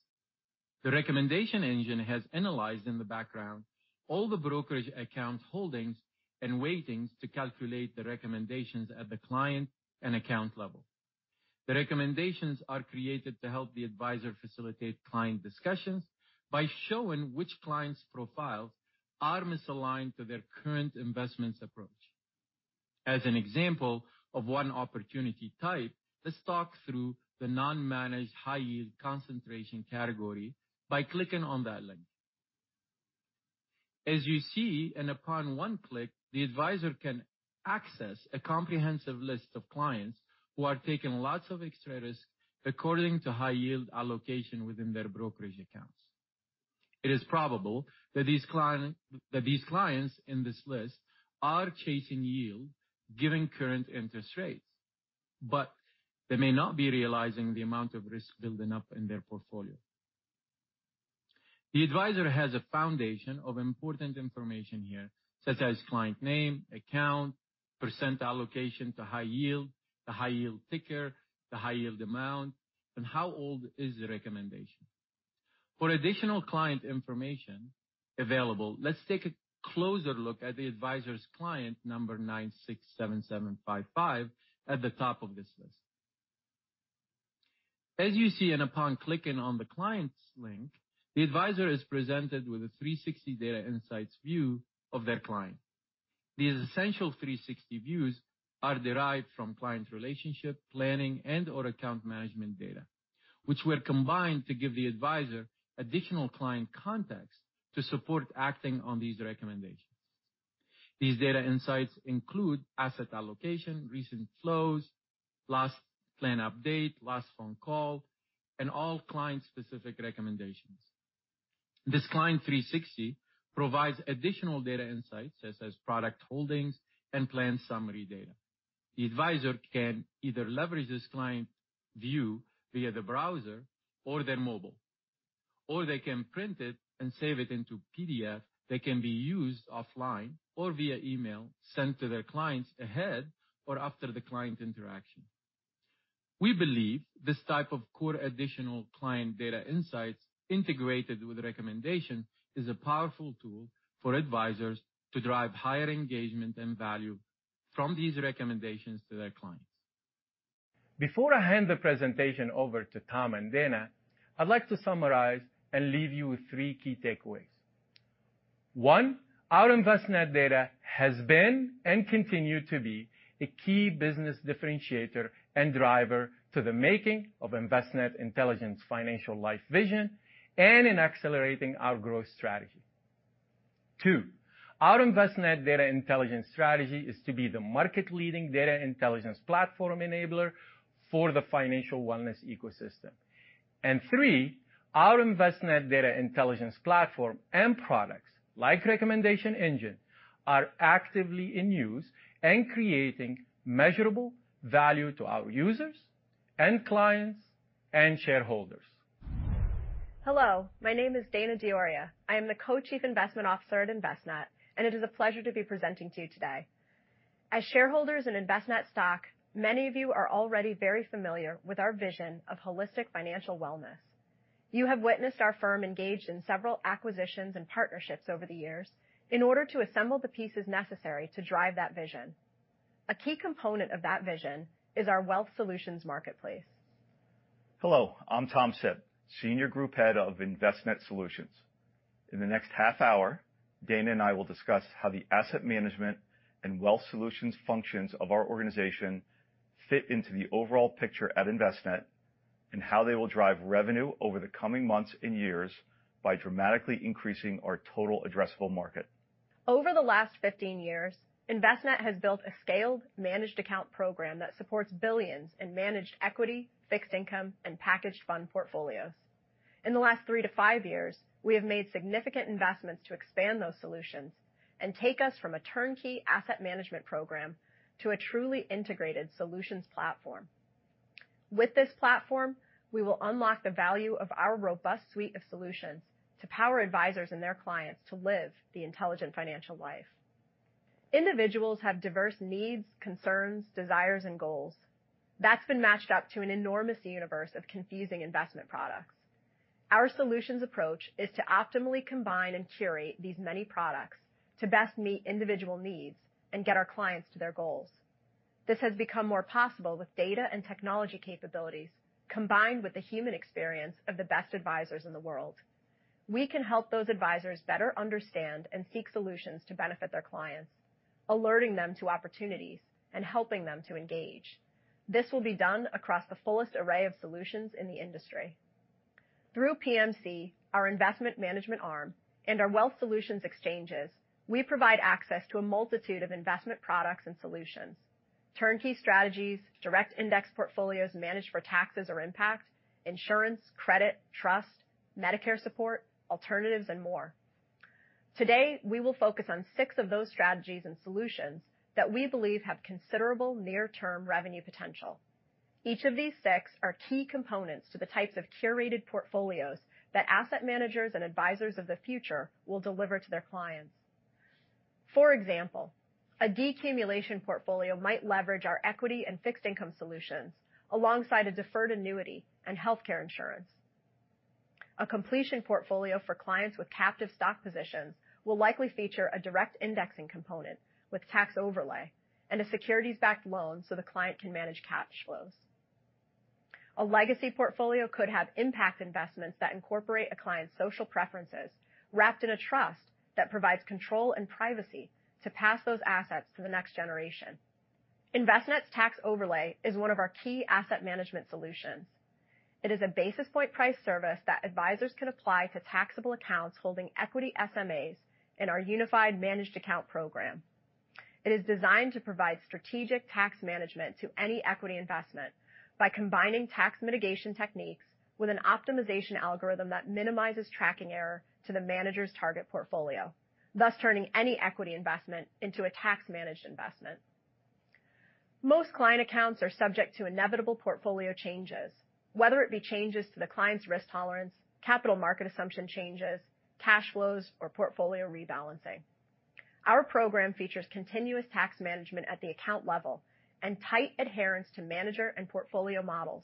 Speaker 4: The Recommendations Engine has analyzed in the background all the brokerage account holdings and weightings to calculate the recommendations at the client and account level. The recommendations are created to help the advisor facilitate client discussions by showing which client's profiles are misaligned to their current investments approach. As an example of one opportunity type, let's talk through the non-managed high yield concentration category by clicking on that link. As you see, and upon one click, the advisor can access a comprehensive list of clients who are taking lots of extra risk according to high yield allocation within their brokerage accounts. It is probable that these clients in this list are chasing yield given current interest rates, but they may not be realizing the amount of risk building up in their portfolio. The advisor has a foundation of important information here, such as client name, account, % allocation to high yield, the high yield ticker, the high yield amount, and how old is the recommendation. For additional client information available, let's take a closer look at the advisor's client number 967755 at the top of this list. As you see, upon clicking on the client's link, the advisor is presented with a 360 data insights view of their client. These essential 360 views are derived from client relationship planning and/or account management data, which were combined to give the advisor additional client context to support acting on these recommendations. These data insights include asset allocation, recent flows, last plan update, last phone call, and all client-specific recommendations. This client 360 provides additional data insights such as product holdings and plan summary data. The advisor can either leverage this client view via the browser or their mobile, or they can print it and save it into PDF that can be used offline or via email sent to their clients ahead or after the client interaction. We believe this type of core additional client data insights integrated with recommendation is a powerful tool for advisors to drive higher engagement and value from these recommendations to their clients. Before I hand the presentation over to Tom and Dana, I'd like to summarize and leave you with three key takeaways. One, our Envestnet data has been and continue to be a key business differentiator and driver to the making of Envestnet intelligent financial life vision and in accelerating our growth strategy. Two, our Envestnet Data Intelligence strategy is to be the market-leading data intelligence platform enabler for the financial wellness ecosystem. Three, our Envestnet Data Intelligence platform and products like Recommendations Engine are actively in use and creating measurable value to our users and clients and shareholders.
Speaker 5: Hello, my name is Dana D'Auria. I am the Co-Chief Investment Officer at Envestnet, and it is a pleasure to be presenting to you today. As shareholders in Envestnet stock, many of you are already very familiar with our vision of holistic financial wellness. You have witnessed our firm engaged in several acquisitions and partnerships over the years in order to assemble the pieces necessary to drive that vision. A key component of that vision is our Wealth Solutions marketplace.
Speaker 6: Hello, I'm Tom Sipp, Senior Group Head of Envestnet Solutions. In the next half hour, Dana and I will discuss how the asset management and Wealth Solutions functions of our organization fit into the overall picture at Envestnet, and how they will drive revenue over the coming months and years by dramatically increasing our total addressable market.
Speaker 5: Over the last 15 years, Envestnet has built a scaled managed account program that supports $billions in managed equity, fixed income, and packaged fund portfolios. In the last 3 to 5 years, we have made significant investments to expand those solutions and take us from a turnkey asset management program to a truly integrated solutions platform. With this platform, we will unlock the value of our robust suite of solutions to power advisors and their clients to live the intelligent financial life. Individuals have diverse needs, concerns, desires, and goals. That's been matched up to an enormous universe of confusing investment products. Our solutions approach is to optimally combine and curate these many products to best meet individual needs and get our clients to their goals. This has become more possible with data and technology capabilities, combined with the human experience of the best advisors in the world. We can help those advisors better understand and seek solutions to benefit their clients, alerting them to opportunities and helping them to engage. This will be done across the fullest array of solutions in the industry. Through PMC, our investment management arm, and our Wealth Solutions exchanges, we provide access to a multitude of investment products and solutions. Turnkey strategies, direct index portfolios managed for taxes or impact, insurance, credit, trust, Medicare support, alternatives, and more. Today, we will focus on six of those strategies and solutions that we believe have considerable near-term revenue potential. Each of these six are key components to the types of curated portfolios that asset managers and advisors of the future will deliver to their clients. For example, a decumulation portfolio might leverage our equity and fixed income solutions alongside a deferred annuity and healthcare insurance. A completion portfolio for clients with captive stock positions will likely feature a direct indexing component with tax overlay and a securities-backed loan so the client can manage cash flows. A legacy portfolio could have impact investments that incorporate a client's social preferences wrapped in a trust that provides control and privacy to pass those assets to the next generation. Envestnet's Tax Overlay is one of our key asset management solutions. It is a basis point price service that advisors can apply to taxable accounts holding equity SMAs in our unified managed account program. It is designed to provide strategic tax management to any equity investment by combining tax mitigation techniques with an optimization algorithm that minimizes tracking error to the manager's target portfolio, thus turning any equity investment into a tax-managed investment. Most client accounts are subject to inevitable portfolio changes, whether it be changes to the client's risk tolerance, capital market assumption changes, cash flows, or portfolio rebalancing. Our program features continuous tax management at the account level and tight adherence to manager and portfolio models.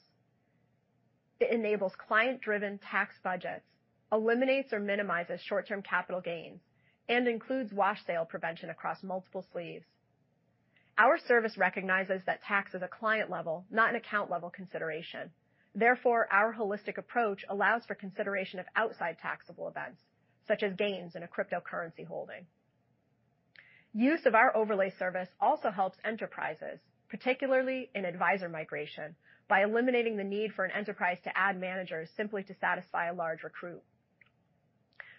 Speaker 5: It enables client-driven tax budgets, eliminates or minimizes short-term capital gains, and includes wash sale prevention across multiple sleeves. Our service recognizes that tax is a client level, not an account level consideration. Therefore, our holistic approach allows for consideration of outside taxable events, such as gains in a cryptocurrency holding. Use of our overlay service also helps enterprises, particularly in advisor migration, by eliminating the need for an enterprise to add managers simply to satisfy a large recruit.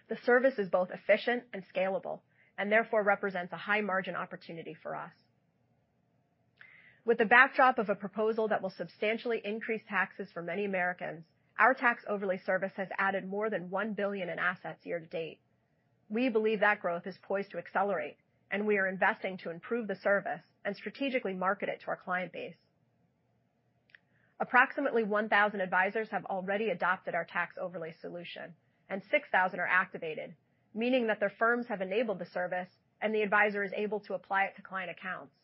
Speaker 5: The service is both efficient and scalable, and therefore represents a high margin opportunity for us. With the backdrop of a proposal that will substantially increase taxes for many Americans, our Tax Overlay service has added more than $1 billion in assets year to date. We believe that growth is poised to accelerate, and we are investing to improve the service and strategically market it to our client base. Approximately 1,000 advisors have already adopted our Tax Overlay solution, and 6,000 are activated, meaning that their firms have enabled the service and the advisor is able to apply it to client accounts.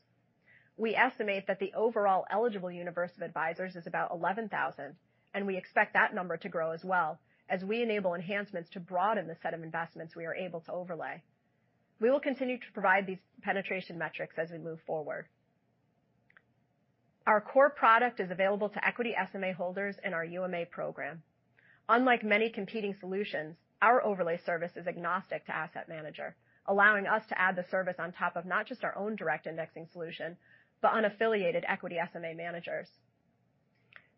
Speaker 5: We estimate that the overall eligible universe of advisors is about 11,000, and we expect that number to grow as well as we enable enhancements to broaden the set of investments we are able to overlay. We will continue to provide these penetration metrics as we move forward. Our core product is available to equity SMA holders in our UMA program. Unlike many competing solutions, our overlay service is agnostic to asset manager, allowing us to add the service on top of not just our own direct indexing solution, but unaffiliated equity SMA managers.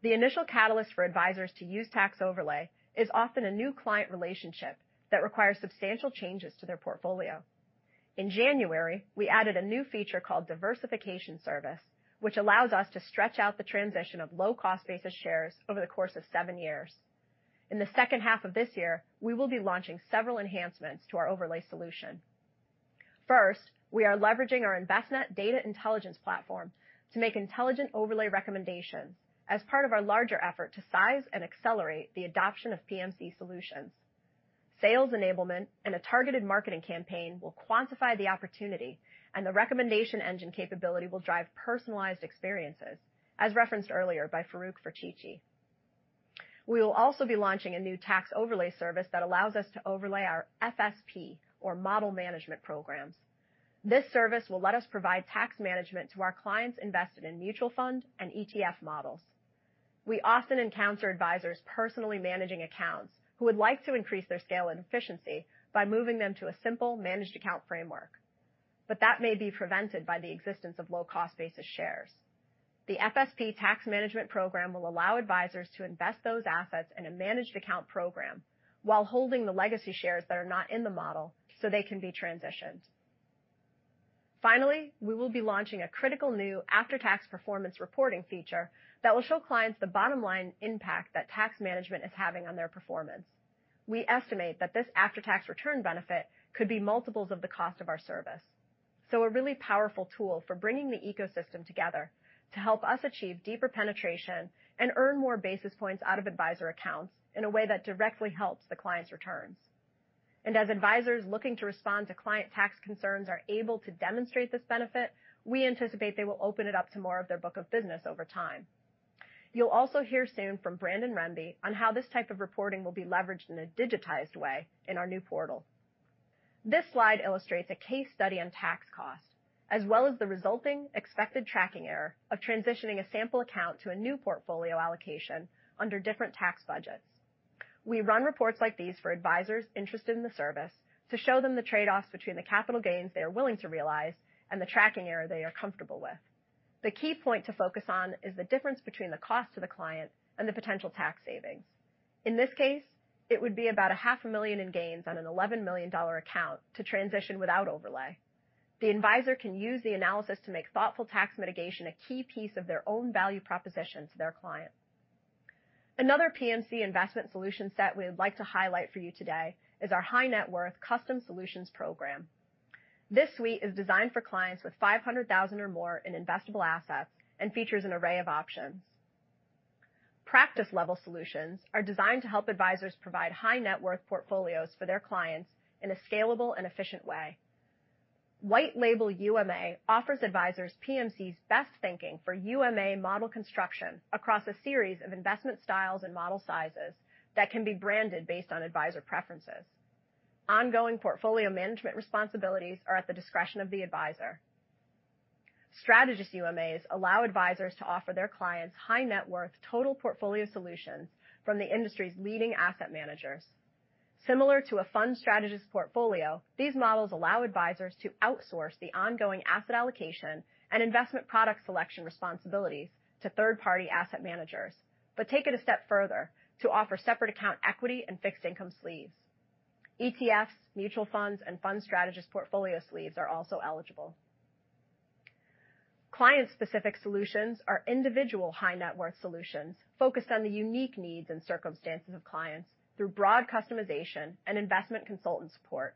Speaker 5: The initial catalyst for advisors to use tax overlay is often a new client relationship that requires substantial changes to their portfolio. In January, we added a new feature called Diversification Service, which allows us to stretch out the transition of low-cost-basis shares over the course of 7 years. In the second half of this year, we will be launching several enhancements to our overlay solution. First, we are leveraging our Envestnet Data Intelligence platform to make intelligent overlay recommendations as part of our larger effort to size and accelerate the adoption of PMC solutions. Sales enablement and a targeted marketing campaign will quantify the opportunity, and the Recommendations Engine capability will drive personalized experiences, as referenced earlier by Farouk Ferchichi. We will also be launching a new Tax Overlay service that allows us to overlay our FSP or model management programs. This service will let us provide tax management to our clients invested in mutual fund and ETF models. We often encounter advisors personally managing accounts who would like to increase their scale and efficiency by moving them to a simple managed account framework. That may be prevented by the existence of low-cost-basis shares. The FSP tax management program will allow advisors to invest those assets in a managed account program while holding the legacy shares that are not in the model so they can be transitioned. Finally, we will be launching a critical new after-tax performance reporting feature that will show clients the bottom-line impact that tax management is having on their performance. We estimate that this after-tax return benefit could be multiples of the cost of our service. A really powerful tool for bringing the ecosystem together to help us achieve deeper penetration and earn more basis points out of advisor accounts in a way that directly helps the client's returns. As advisors looking to respond to client tax concerns are able to demonstrate this benefit, we anticipate they will open it up to more of their book of business over time. You'll also hear soon from Brandon Rembe on how this type of reporting will be leveraged in a digitized way in our new portal. This slide illustrates a case study on tax costs, as well as the resulting expected tracking error of transitioning a sample account to a new portfolio allocation under different tax budgets. We run reports like these for advisors interested in the service to show them the trade-offs between the capital gains they are willing to realize and the tracking error they are comfortable with. The key point to focus on is the difference between the cost to the client and the potential tax savings. In this case, it would be about a half a million in gains on an $11 million account to transition without Tax Overlay. The advisor can use the analysis to make thoughtful tax mitigation a key piece of their own value proposition to their client. Another PMC investment solution set we would like to highlight for you today is our high net worth custom solutions program. This suite is designed for clients with 500,000 or more in investable assets and features an array of options. Practice level solutions are designed to help advisors provide high net worth portfolios for their clients in a scalable and efficient way. White Label UMA offers advisors PMC's best thinking for UMA model construction across a series of investment styles and model sizes that can be branded based on advisor preferences. Ongoing portfolio management responsibilities are at the discretion of the advisor. Strategist UMAs allow advisors to offer their clients high net worth total portfolio solutions from the industry's leading asset managers. Similar to a fund strategist portfolio, these models allow advisors to outsource the ongoing asset allocation and investment product selection responsibilities to third-party asset managers, but take it a step further to offer separate account equity and fixed income sleeves. ETFs, mutual funds, and fund strategist portfolio sleeves are also eligible. Client-specific solutions are individual high-net-worth solutions focused on the unique needs and circumstances of clients through broad customization and investment consultant support.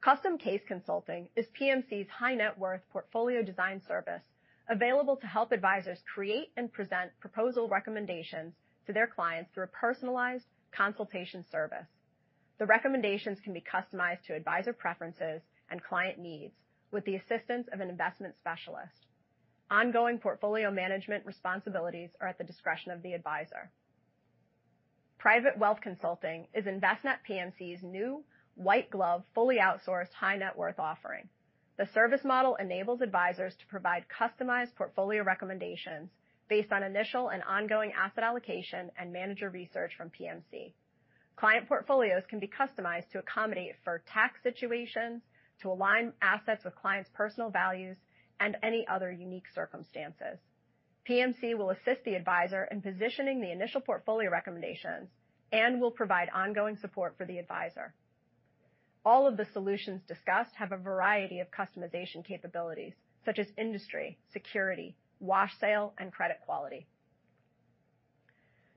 Speaker 5: Custom case consulting is PMC's high-net-worth portfolio design service available to help advisors create and present proposal recommendations to their clients through a personalized consultation service. The recommendations can be customized to advisor preferences and client needs with the assistance of an investment specialist. Ongoing portfolio management responsibilities are at the discretion of the advisor. Private Wealth Consulting is Envestnet|PMC's new white-glove, fully outsourced high-net-worth offering. The service model enables advisors to provide customized portfolio recommendations based on initial and ongoing asset allocation and manager research from PMC. Client portfolios can be customized to accommodate for tax situations, to align assets with clients' personal values, and any other unique circumstances. PMC will assist the advisor in positioning the initial portfolio recommendations and will provide ongoing support for the advisor. All of the solutions discussed have a variety of customization capabilities such as industry, security, wash sale, and credit quality.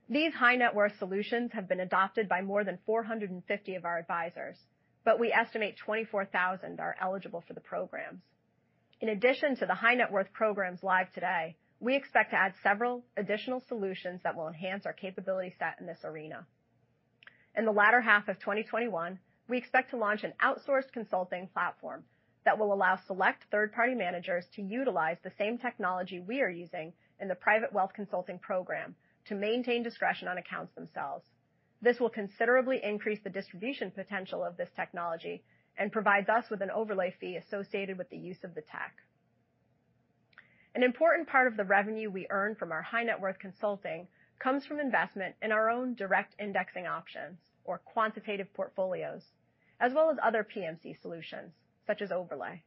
Speaker 5: These high-net-worth solutions have been adopted by more than 450 of our advisors, but we estimate 24,000 are eligible for the programs. In addition to the high-net-worth programs live today, we expect to add several additional solutions that will enhance our capability set in this arena. In the latter half of 2021, we expect to launch an outsourced consulting platform that will allow select third-party managers to utilize the same technology we are using in the Private Wealth Consulting program to maintain discretion on accounts themselves. This will considerably increase the distribution potential of this technology and provide us with an overlay fee associated with the use of the tech. An important part of the revenue we earn from our high-net-worth consulting comes from investment in our own direct indexing options or Quantitative Portfolios, as well as other PMC solutions, such as overlay.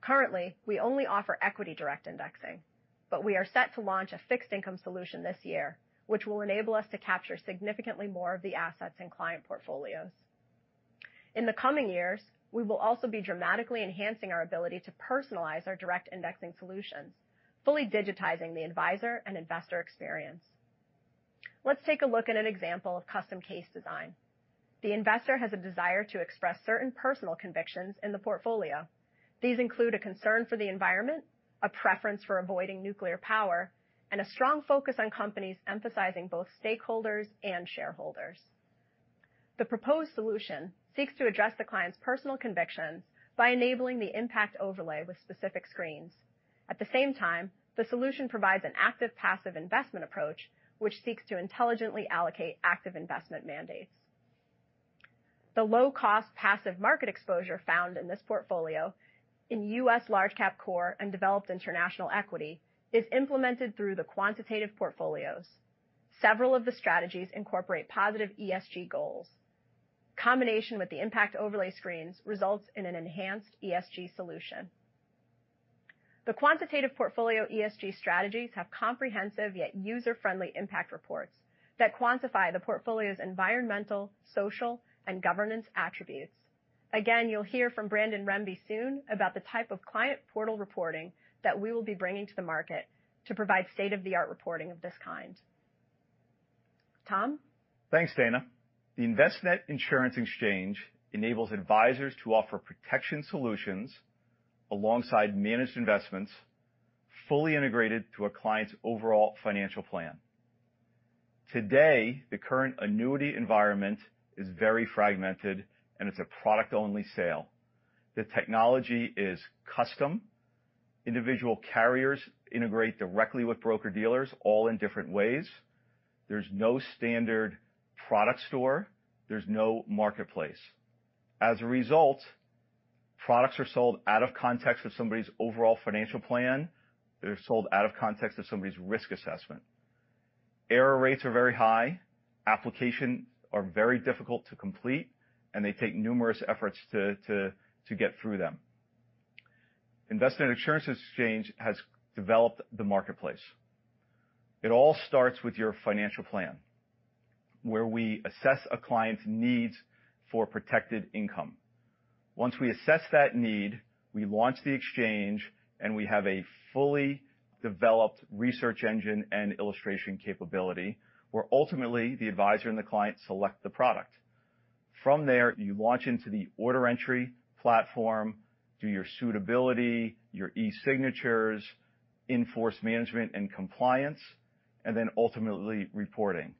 Speaker 5: Currently, we only offer equity direct indexing, but we are set to launch a fixed income solution this year, which will enable us to capture significantly more of the assets in client portfolios. In the coming years, we will also be dramatically enhancing our ability to personalize our direct indexing solutions, fully digitizing the advisor and investor experience. Let's take a look at an example of Custom Case Design. The investor has a desire to express certain personal convictions in the portfolio. These include a concern for the environment, a preference for avoiding nuclear power, and a strong focus on companies emphasizing both stakeholders and shareholders. The proposed solution seeks to address the client's personal convictions by enabling the impact overlay with specific screens. At the same time, the solution provides an active-passive investment approach, which seeks to intelligently allocate active investment mandates. The low-cost passive market exposure found in this portfolio in U.S. large cap core and developed international equity is implemented through the Quantitative Portfolios. Several of the strategies incorporate positive ESG goals. Combination with the impact overlay screens results in an enhanced ESG solution. The Quantitative Portfolio ESG strategies have comprehensive yet user-friendly impact reports that quantify the portfolio's environmental, social, and governance attributes. Again, you'll hear from Brandon Rembe soon about the type of client portal reporting that we will be bringing to the market to provide state-of-the-art reporting of this kind. Tom?
Speaker 6: Thanks, Dana. The Envestnet Insurance Exchange enables advisors to offer protection solutions alongside managed investments fully integrated to a client's overall financial plan. Today, the current annuity environment is very fragmented, and it's a product-only sale. The technology is custom. Individual carriers integrate directly with broker-dealers all in different ways. There's no standard product store. There's no marketplace. As a result, products are sold out of context of somebody's overall financial plan. They're sold out of context of somebody's risk assessment. Error rates are very high. Applications are very difficult to complete, and they take numerous efforts to get through them. Envestnet Insurance Exchange has developed the marketplace. It all starts with your financial plan, where we assess a client's needs for protected income. Once we assess that need, we launch the exchange, and we have a fully developed research engine and illustration capability, where ultimately the advisor and the client select the product. From there, you launch into the order entry platform, do your suitability, your e-signatures, in-force management and compliance, and then ultimately reporting.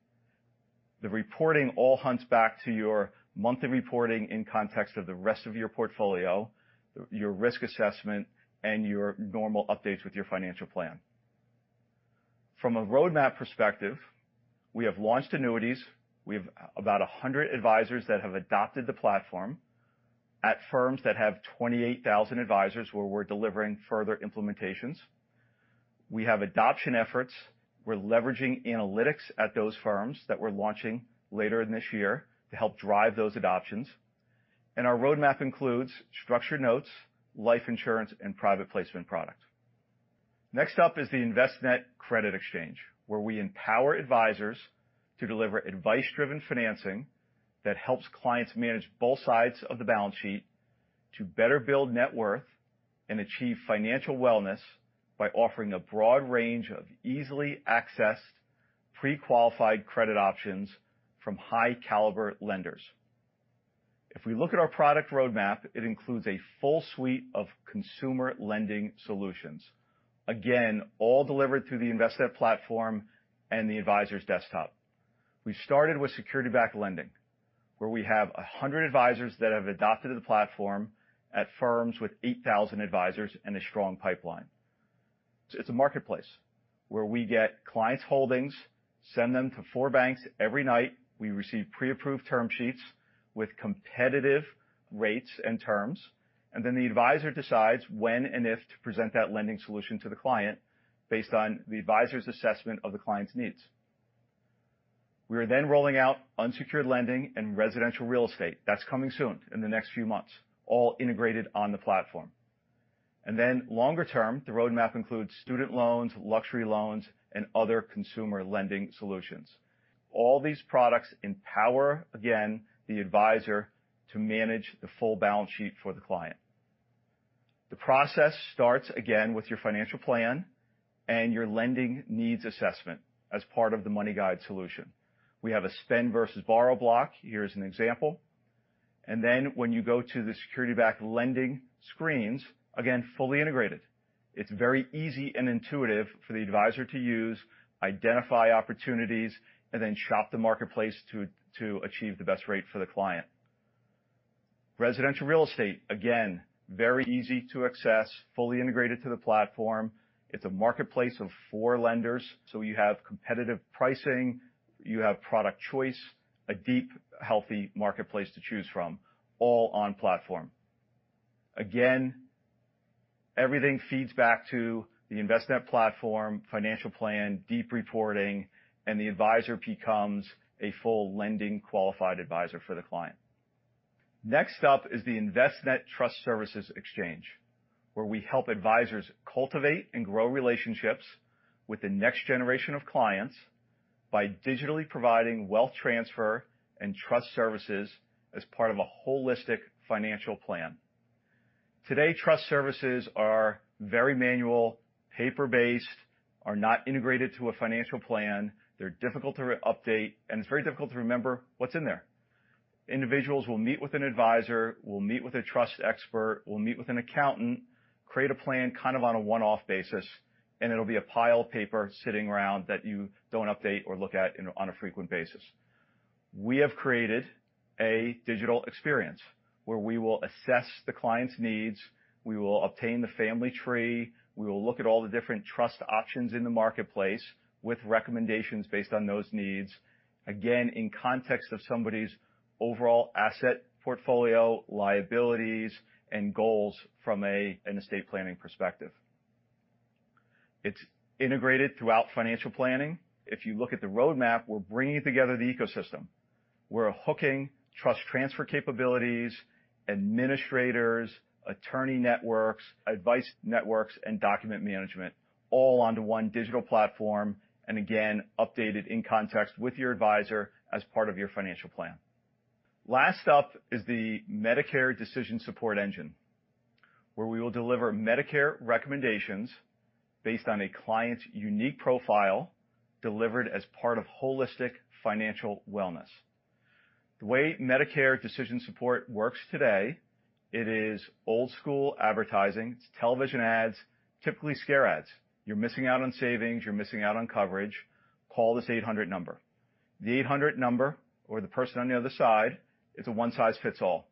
Speaker 6: The reporting all hunts back to your monthly reporting in context of the rest of your portfolio, your risk assessment, and your normal updates with your financial plan. From a roadmap perspective, we have launched annuities. We have about 100 advisors that have adopted the platform at firms that have 28,000 advisors where we're delivering further implementations. We have adoption efforts. We're leveraging analytics at those firms that we're launching later this year to help drive those adoptions. Our roadmap includes structured notes, life insurance, and private placement product. Next up is the Envestnet Credit Exchange, where we empower advisors to deliver advice-driven financing that helps clients manage both sides of the balance sheet to better build net worth and achieve financial wellness by offering a broad range of easily accessed, pre-qualified credit options from high-caliber lenders. Again, all delivered through the Envestnet platform and the advisor's desktop. We started with security-backed lending, where we have 100 advisors that have adopted the platform at firms with 8,000 advisors and a strong pipeline. It's a marketplace where we get clients' holdings, send them to four banks every night, we receive pre-approved term sheets with competitive rates and terms, and then the advisor decides when and if to present that lending solution to the client based on the advisor's assessment of the client's needs. We are then rolling out unsecured lending and residential real estate. That's coming soon, in the next few months, all integrated on the platform. Longer term, the roadmap includes student loans, luxury loans, and other consumer lending solutions. All these products empower, again, the advisor to manage the full balance sheet for the client. The process starts, again, with your financial plan and your lending needs assessment as part of the MoneyGuide solution. We have a spend versus borrow block. Here's an example. When you go to the security-backed lending screens, again, fully integrated. It's very easy and intuitive for the advisor to use, identify opportunities, and then shop the marketplace to achieve the best rate for the client. Residential real estate, again, very easy to access, fully integrated to the platform. It's a marketplace of four lenders, so you have competitive pricing, you have product choice, a deep, healthy marketplace to choose from, all on platform. Again, everything feeds back to the Envestnet platform, financial plan, deep reporting, and the advisor becomes a full lending qualified advisor for the client. Next up is the Envestnet Trust Services Exchange, where we help advisors cultivate and grow relationships with the next generation of clients by digitally providing wealth transfer and trust services as part of a holistic financial plan. Today, trust services are very manual, paper-based, are not integrated to a financial plan, they're difficult to update, and it's very difficult to remember what's in there. Individuals will meet with an advisor, will meet with a trust expert, will meet with an accountant, create a plan kind of on a one-off basis, and it'll be a pile of paper sitting around that you don't update or look at on a frequent basis. We have created a digital experience where we will assess the client's needs, we will obtain the family tree, we will look at all the different trust options in the marketplace with recommendations based on those needs, again, in context of somebody's overall asset portfolio, liabilities, and goals from an estate planning perspective. It's integrated throughout financial planning. If you look at the roadmap, we're bringing together the ecosystem, where we're hooking trust transfer capabilities, administrators, attorney networks, advice networks, and document management all onto one digital platform, and again, updated in context with your advisor as part of your financial plan. Last up is the Medicare decision support engine, where we will deliver Medicare recommendations based on a client's unique profile, delivered as part of holistic financial wellness. The way Medicare decision support works today, it is old school advertising. It's television ads, typically scare ads. You're missing out on savings. You're missing out on coverage. Call this 800 number. The 800 number or the person on the other side is a one size fits all.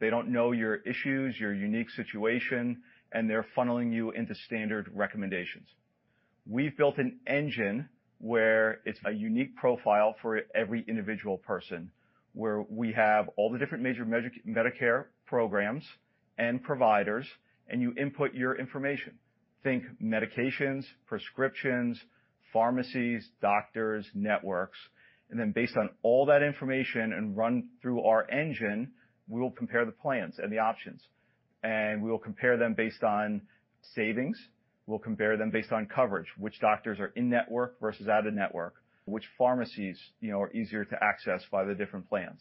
Speaker 6: They don't know your issues, your unique situation, and they're funneling you into standard recommendations. We've built an engine where it's a unique profile for every individual person, where we have all the different major Medicare programs and providers, and you input your information. Think medications, prescriptions, pharmacies, doctors, networks, and then based on all that information and run through our engine, we'll compare the plans and the options, and we'll compare them based on savings. We'll compare them based on coverage, which doctors are in-network versus out-of-network, which pharmacies are easier to access by the different plans.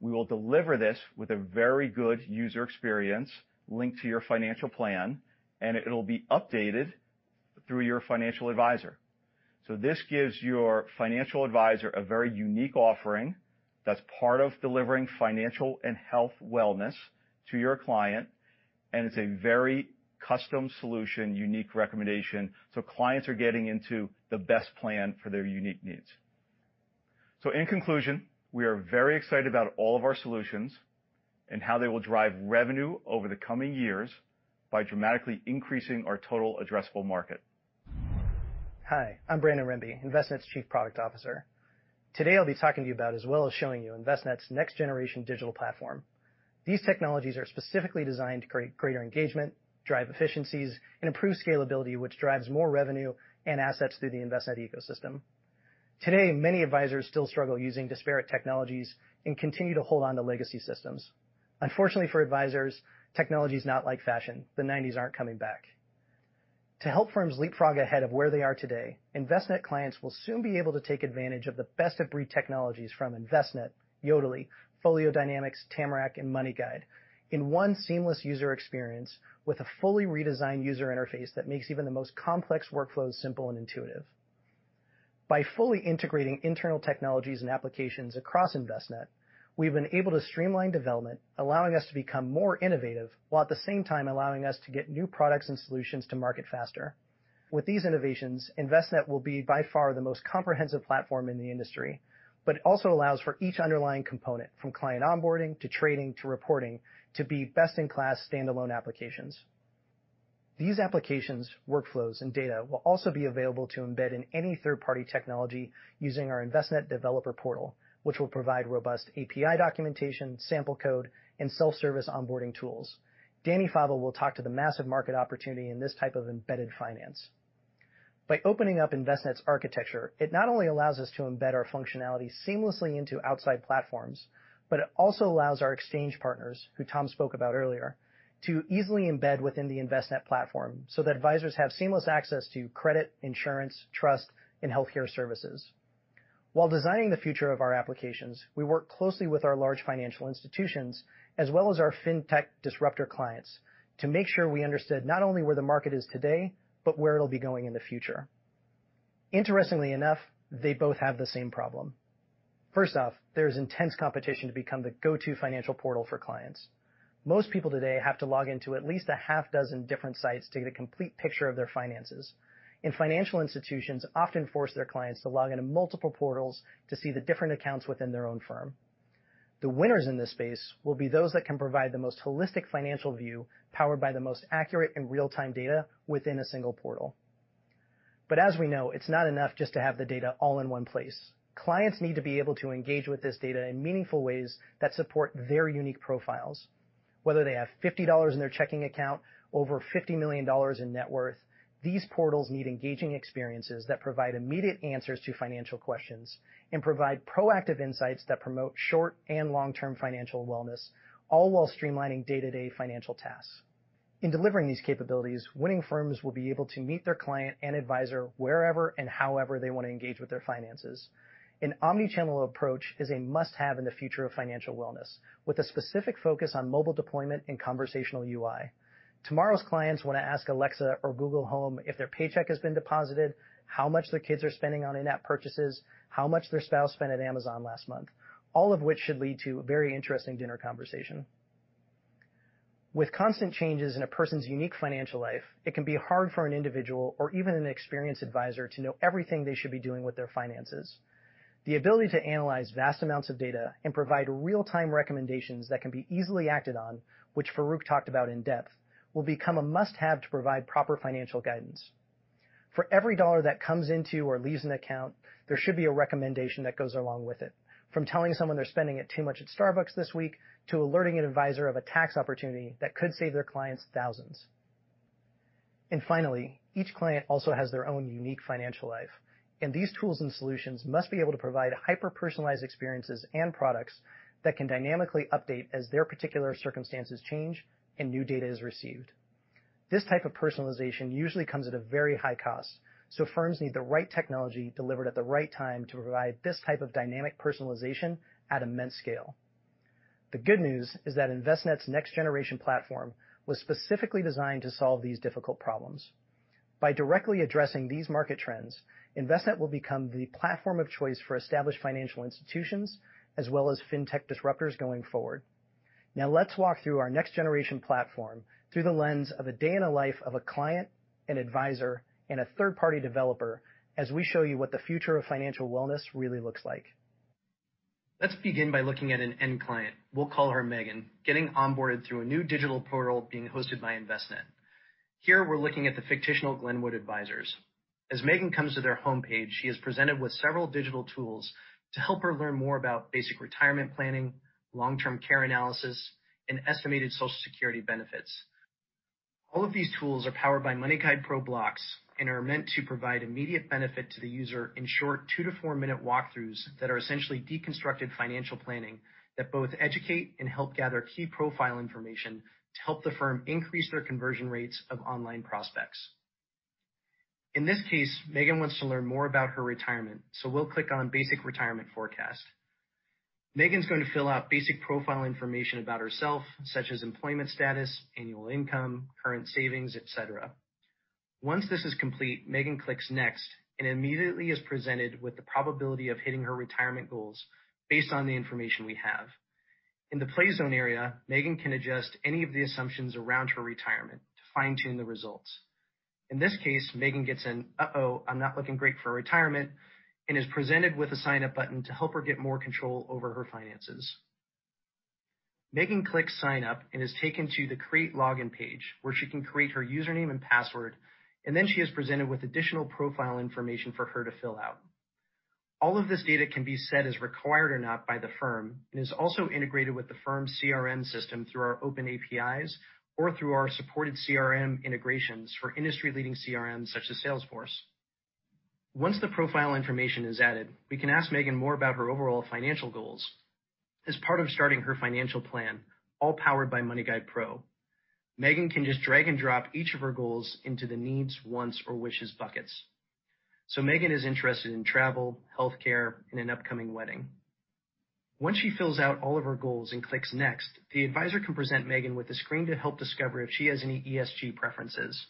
Speaker 6: We will deliver this with a very good user experience linked to your financial plan, and it'll be updated through your financial advisor. This gives your financial advisor a very unique offering that's part of delivering financial and health wellness to your client, and it's a very custom solution, unique recommendation, so clients are getting into the best plan for their unique needs. In conclusion, we are very excited about all of our solutions and how they will drive revenue over the coming years by dramatically increasing our total addressable market.
Speaker 7: Hi, I'm Brandon Rembe, Envestnet's Chief Product Officer. Today, I'll be talking to you about, as well as showing you, Envestnet's next-generation digital platform. These technologies are specifically designed to create greater engagement, drive efficiencies, and improve scalability, which drives more revenue and assets through the Envestnet ecosystem. Today, many advisors still struggle using disparate technologies and continue to hold onto legacy systems. Unfortunately for advisors, technology is not like fashion. The 90s aren't coming back. To help firms leapfrog ahead of where they are today, Envestnet clients will soon be able to take advantage of the best-of-breed technologies from Envestnet, Yodlee, FolioDynamix, Tamarac, and MoneyGuide in one seamless user experience with a fully redesigned user interface that makes even the most complex workflows simple and intuitive. By fully integrating internal technologies and applications across Envestnet, we've been able to streamline development, allowing us to become more innovative, while at the same time allowing us to get new products and solutions to market faster. With these innovations, Envestnet will be by far the most comprehensive platform in the industry, but it also allows for each underlying component, from client onboarding to trading to reporting, to be best-in-class standalone applications. These applications, workflows, and data will also be available to embed in any third-party technology using our Envestnet Developer Portal, which will provide robust API documentation, sample code, and self-service onboarding tools. Dani Fava will talk to the massive market opportunity in this type of embedded finance. By opening up Envestnet's architecture, it not only allows us to embed our functionality seamlessly into outside platforms, but it also allows our exchange partners, who Tom spoke about earlier, to easily embed within the Envestnet platform so that advisors have seamless access to credit, insurance, trust, and healthcare services. While designing the future of our applications, we worked closely with our large financial institutions, as well as our fintech disruptor clients, to make sure we understood not only where the market is today, but where it'll be going in the future. Interestingly enough, they both have the same problem. First off, there's intense competition to become the go-to financial portal for clients. Most people today have to log in to at least six different sites to get a complete picture of their finances, and financial institutions often force their clients to log in to multiple portals to see the different accounts within their own firm. The winners in this space will be those that can provide the most holistic financial view powered by the most accurate and real-time data within a single portal. As we know, it's not enough just to have the data all in one place. Clients need to be able to engage with this data in meaningful ways that support their unique profiles. Whether they have $50 in their checking account or over $50 million in net worth, these portals need engaging experiences that provide immediate answers to financial questions and provide proactive insights that promote short and long-term financial wellness, all while streamlining day-to-day financial tasks. In delivering these capabilities, winning firms will be able to meet their client and advisor wherever and however they want to engage with their finances. An omni-channel approach is a must-have in the future of financial wellness, with a specific focus on mobile deployment and conversational UI. Tomorrow's clients want to ask Alexa or Google Home if their paycheck has been deposited, how much their kids are spending on in-app purchases, how much their spouse spent at Amazon last month. All of which should lead to a very interesting dinner conversation. With constant changes in a person's unique financial life, it can be hard for an individual or even an experienced advisor to know everything they should be doing with their finances. The ability to analyze vast amounts of data and provide real-time recommendations that can be easily acted on, which Farouk talked about in depth, will become a must-have to provide proper financial guidance. For every dollar that comes into or leaves an account, there should be a recommendation that goes along with it. From telling someone they're spending too much at Starbucks this week to alerting an advisor of a tax opportunity that could save their clients thousands. Finally, each client also has their own unique financial life, and these tools and solutions must be able to provide hyper-personalized experiences and products that can dynamically update as their particular circumstances change and new data is received. This type of personalization usually comes at a very high cost. Firms need the right technology delivered at the right time to provide this type of dynamic personalization at immense scale. The good news is that Envestnet's next-generation platform was specifically designed to solve these difficult problems. By directly addressing these market trends, Envestnet will become the platform of choice for established financial institutions as well as fintech disruptors going forward. Let's walk through our next-generation platform through the lens of a day in the life of a client, an advisor, and a third-party developer as we show you what the future of financial wellness really looks like. Let's begin by looking at an end client, we'll call her Megan, getting onboarded through a new digital portal being hosted by Envestnet. Here we're looking at the fictional Glenwood Advisors. As Megan comes to their homepage, she is presented with several digital tools to help her learn more about basic retirement planning, long-term care analysis, and estimated Social Security benefits. All of these tools are powered by MoneyGuidePro Blocks and are meant to provide immediate benefit to the user in short 2-4-minute walkthroughs that are essentially deconstructed financial planning that both educate and help gather key profile information to help the firm increase their conversion rates of online prospects. In this case, Megan wants to learn more about her retirement, we'll click on Basic Retirement Forecast. Megan's going to fill out basic profile information about herself, such as employment status, annual income, current savings, et cetera. Once this is complete, Megan clicks Next and immediately is presented with the probability of hitting her retirement goals based on the information we have. In the play zone area, Megan can adjust any of the assumptions around her retirement to fine-tune the results. In this case, Megan gets an, "Uh-oh, I'm not looking great for retirement," and is presented with a sign-up button to help her get more control over her finances. Megan clicks Sign Up and is taken to the create login page where she can create her username and password, and then she is presented with additional profile information for her to fill out. All of this data can be set as required or not by the firm and is also integrated with the firm's CRM system through our open APIs or through our supported CRM integrations for industry-leading CRMs such as Salesforce. Once the profile information is added, we can ask Megan more about her overall financial goals. As part of starting her financial plan, all powered by MoneyGuidePro, Megan can just drag and drop each of her goals into the needs, wants, or wishes buckets. Megan is interested in travel, healthcare, and an upcoming wedding. Once she fills out all of her goals and clicks Next, the advisor can present Megan with a screen to help discover if she has any ESG preferences.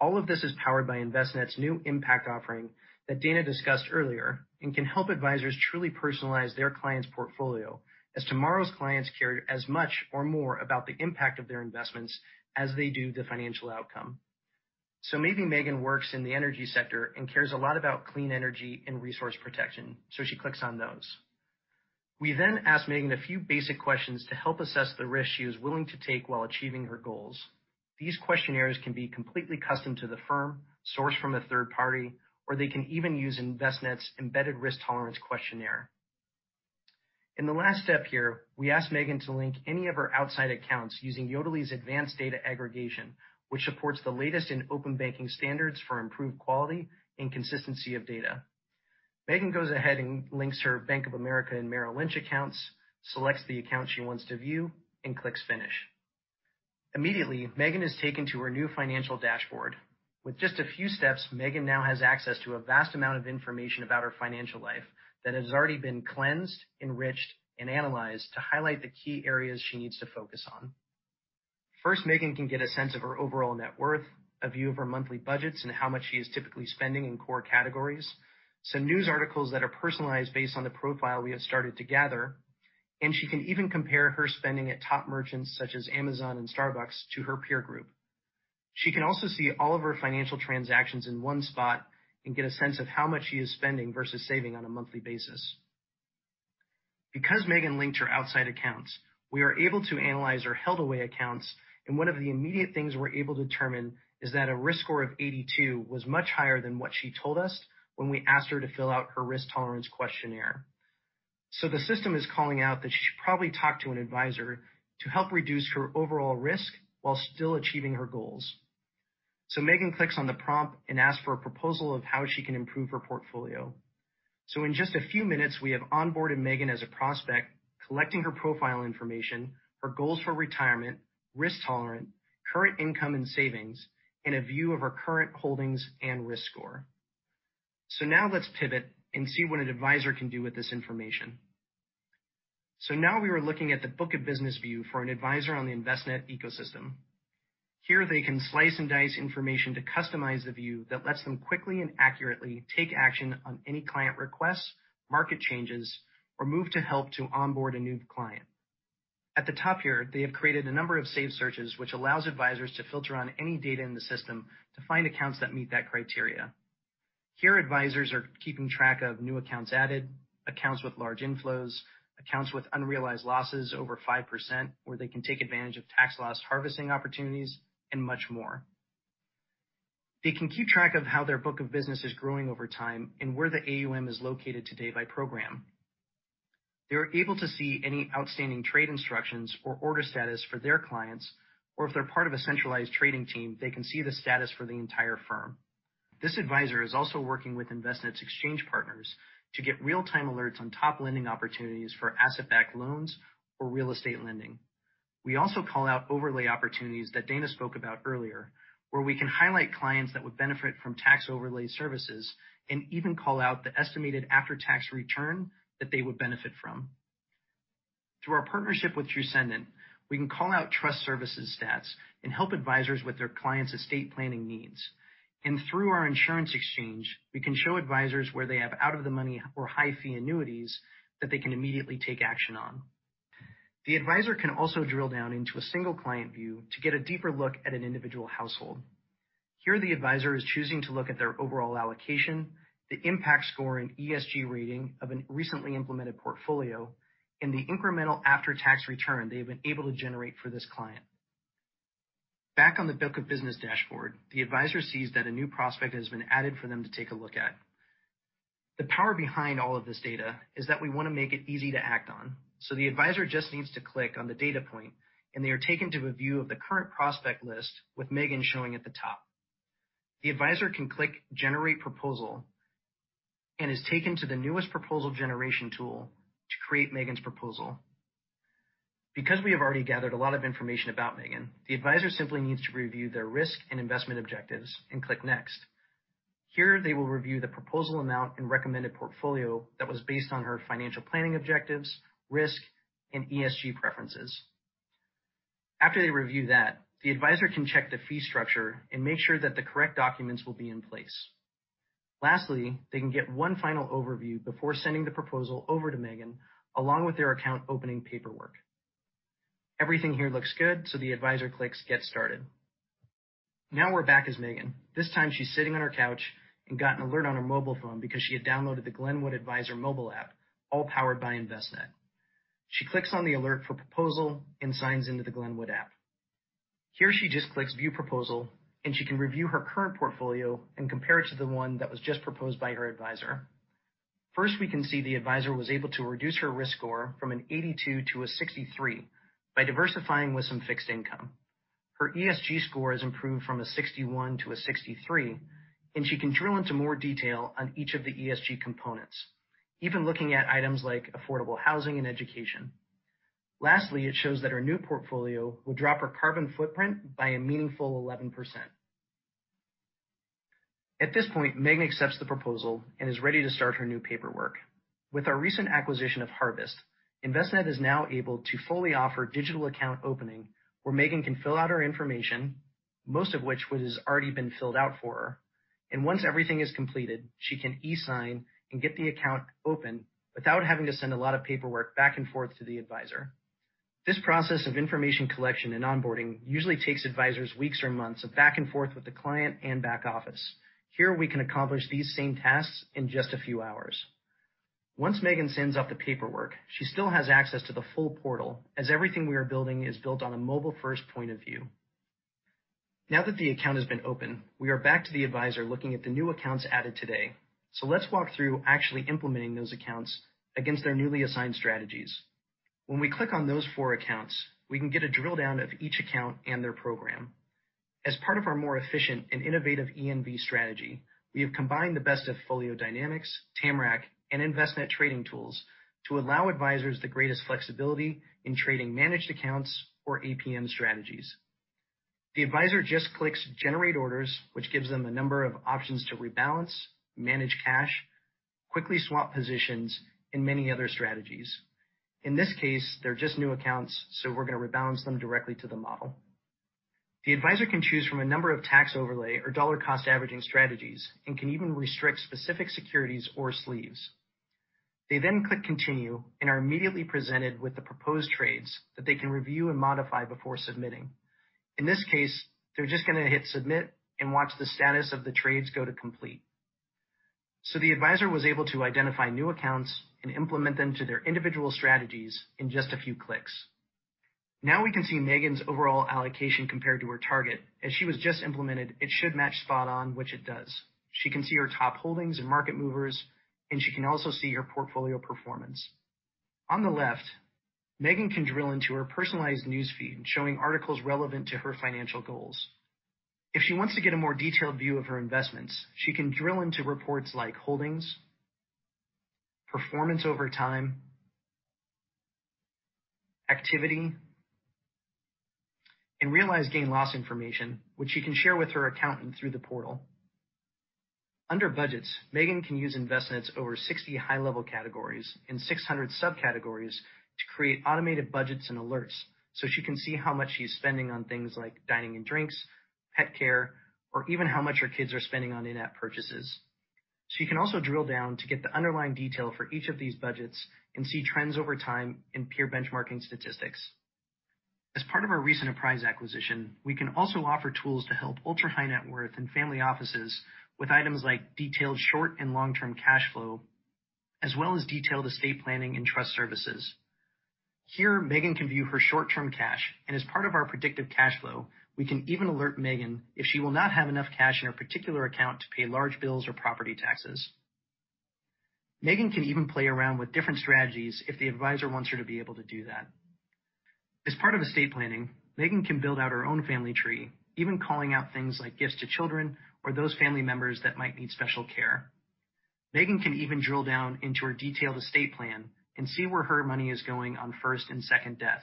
Speaker 7: All of this is powered by Envestnet's new impact offering that Dana discussed earlier, and can help advisors truly personalize their client's portfolio, as tomorrow's clients care as much or more about the impact of their investments as they do the financial outcome. Maybe Megan works in the energy sector and cares a lot about clean energy and resource protection, so she clicks on those. We then ask Megan a few basic questions to help assess the risk she is willing to take while achieving her goals. These questionnaires can be completely custom to the firm, sourced from a third party, or they can even use Envestnet's embedded risk tolerance questionnaire. In the last step here, we ask Megan to link any of her outside accounts using Yodlee's advanced data aggregation, which supports the latest in open banking standards for improved quality and consistency of data. Megan goes ahead and links her Bank of America and Merrill Lynch accounts, selects the account she wants to view, and clicks Finish. Immediately, Megan is taken to her new financial dashboard. With just a few steps, Megan now has access to a vast amount of information about her financial life that has already been cleansed, enriched, and analyzed to highlight the key areas she needs to focus on. First, Megan can get a sense of her overall net worth, a view of her monthly budgets and how much she is typically spending in core categories, some news articles that are personalized based on the profile we have started to gather, and she can even compare her spending at top merchants such as Amazon and Starbucks to her peer group. She can also see all of her financial transactions in one spot and get a sense of how much she is spending versus saving on a monthly basis. Because Megan linked her outside accounts, we are able to analyze her held away accounts, and one of the immediate things we're able to determine is that a risk score of 82 was much higher than what she told us when we asked her to fill out her risk tolerance questionnaire. The system is calling out that she should probably talk to an advisor to help reduce her overall risk while still achieving her goals. Megan clicks on the prompt and asks for a proposal of how she can improve her portfolio. In just a few minutes, we have onboarded Megan as a prospect, collecting her profile information, her goals for retirement, risk tolerance, current income and savings, and a view of her current holdings and risk score. Now let's pivot and see what an advisor can do with this information. Now we are looking at the book of business view for an advisor on the Envestnet ecosystem. Here, they can slice and dice information to customize a view that lets them quickly and accurately take action on any client requests, market changes, or move to help to onboard a new client. At the top here, they have created a number of saved searches, which allows advisors to filter on any data in the system to find accounts that meet that criteria. Here, advisors are keeping track of new accounts added, accounts with large inflows, accounts with unrealized losses over 5% where they can take advantage of tax loss harvesting opportunities, and much more. They can keep track of how their book of business is growing over time and where the AUM is located today by program. They're able to see any outstanding trade instructions or order status for their clients, or if they're part of a centralized trading team, they can see the status for the entire firm. This advisor is also working with Envestnet's exchange partners to get real-time alerts on top lending opportunities for asset-backed loans or real estate lending. We also call out overlay opportunities that Dana spoke about earlier, where we can highlight clients that would benefit from tax overlay services and even call out the estimated after-tax return that they would benefit from. Through our partnership with Ascendant, we can call out trust services stats and help advisors with their clients' estate planning needs. Through our insurance exchange, we can show advisors where they have out-of-the-money or high-fee annuities that they can immediately take action on. The advisor can also drill down into a single client view to get a deeper look at an individual household. Here, the advisor is choosing to look at their overall allocation, the impact score and ESG rating of a recently implemented portfolio, and the incremental after-tax return they've been able to generate for this client. Back on the book of business dashboard, the advisor sees that a new prospect has been added for them to take a look at. The power behind all of this data is that we want to make it easy to act on. The advisor just needs to click on the data point, and they are taken to a view of the current prospect list with Megan showing at the top. The advisor can click Generate Proposal and is taken to the newest proposal generation tool to create Megan's proposal. Because we have already gathered a lot of information about Megan, the advisor simply needs to review their risk and investment objectives and click Next. Here, they will review the proposal amount and recommended portfolio that was based on her financial planning objectives, risk, and ESG preferences. After they review that, the advisor can check the fee structure and make sure that the correct documents will be in place. Lastly, they can get one final overview before sending the proposal over to Megan, along with their account opening paperwork. Everything here looks good, so the advisor clicks Get Started. Now we're back as Megan. This time she's sitting on her couch and got an alert on her mobile phone because she had downloaded the Glenwood Advisor mobile app, all powered by Envestnet. She clicks on the alert for proposal and signs into the Glenwood app. Here she just clicks View Proposal, and she can review her current portfolio and compare it to the one that was just proposed by her advisor. First, we can see the advisor was able to reduce her risk score from an 82 to a 63 by diversifying with some fixed income. Her ESG score has improved from a 61 to a 63, and she can drill into more detail on each of the ESG components, even looking at items like affordable housing and education. Lastly, it shows that her new portfolio will drop her carbon footprint by a meaningful 11%. At this point, Megan accepts the proposal and is ready to start her new paperwork. With our recent acquisition of Harvest, Envestnet is now able to fully offer digital account opening where Megan can fill out her information, most of which has already been filled out for her, and once everything is completed, she can e-sign and get the account open without having to send a lot of paperwork back and forth to the advisor. This process of information collection and onboarding usually takes advisors weeks or months of back and forth with the client and back office. Here, we can accomplish these same tasks in just a few hours. Once Megan sends off the paperwork, she still has access to the full portal as everything we are building is built on a mobile-first point of view. Now that the account has been opened, we are back to the advisor looking at the new accounts added today. Let's walk through actually implementing those accounts against their newly assigned strategies. When we click on those four accounts, we can get a drill-down of each account and their program. As part of our more efficient and innovative ENV strategy, we have combined the best of FolioDynamix, Tamarac, and Envestnet trading tools to allow advisors the greatest flexibility in trading managed accounts or APM strategies. The advisor just clicks Generate Orders, which gives them a number of options to rebalance, manage cash, quickly swap positions, and many other strategies. In this case, they're just new accounts, we're going to rebalance them directly to the model. The advisor can choose from a number of Tax Overlay or dollar-cost averaging strategies and can even restrict specific securities or sleeves. They click Continue and are immediately presented with the proposed trades that they can review and modify before submitting. In this case, they're just going to hit Submit and watch the status of the trades go to Complete. The advisor was able to identify new accounts and implement them to their individual strategies in just a few clicks. We can see Megan's overall allocation compared to her target. As she was just implemented, it should match spot on, which it does. She can see her top holdings and market movers, and she can also see her portfolio performance. On the left, Megan can drill into her personalized news feed showing articles relevant to her financial goals. If she wants to get a more detailed view of her investments, she can drill into reports like Holdings, Performance Over Time, Activity, and Realized Gain/Loss information, which she can share with her accountant through the portal. Under Budgets, Megan can use Envestnet's over 60 high-level categories and 600 subcategories to create automated budgets and alerts so she can see how much she's spending on things like dining and drinks, pet care, or even how much her kids are spending on in-app purchases. She can also drill down to get the underlying detail for each of these budgets and see trends over time and peer benchmarking statistics. As part of our recent Apprise acquisition, we can also offer tools to help ultra-high-net-worth and family offices with items like detailed short and long-term cash flow, as well as detailed estate planning and trust services. Here, Megan can view her short-term cash, and as part of our predictive cash flow, we can even alert Megan if she will not have enough cash in a particular account to pay large bills or property taxes. Megan can even play around with different strategies if the advisor wants her to be able to do that. As part of estate planning, Megan can build out her own family tree, even calling out things like gifts to children or those family members that might need special care. Megan can even drill down into her detailed estate plan and see where her money is going on first and second death.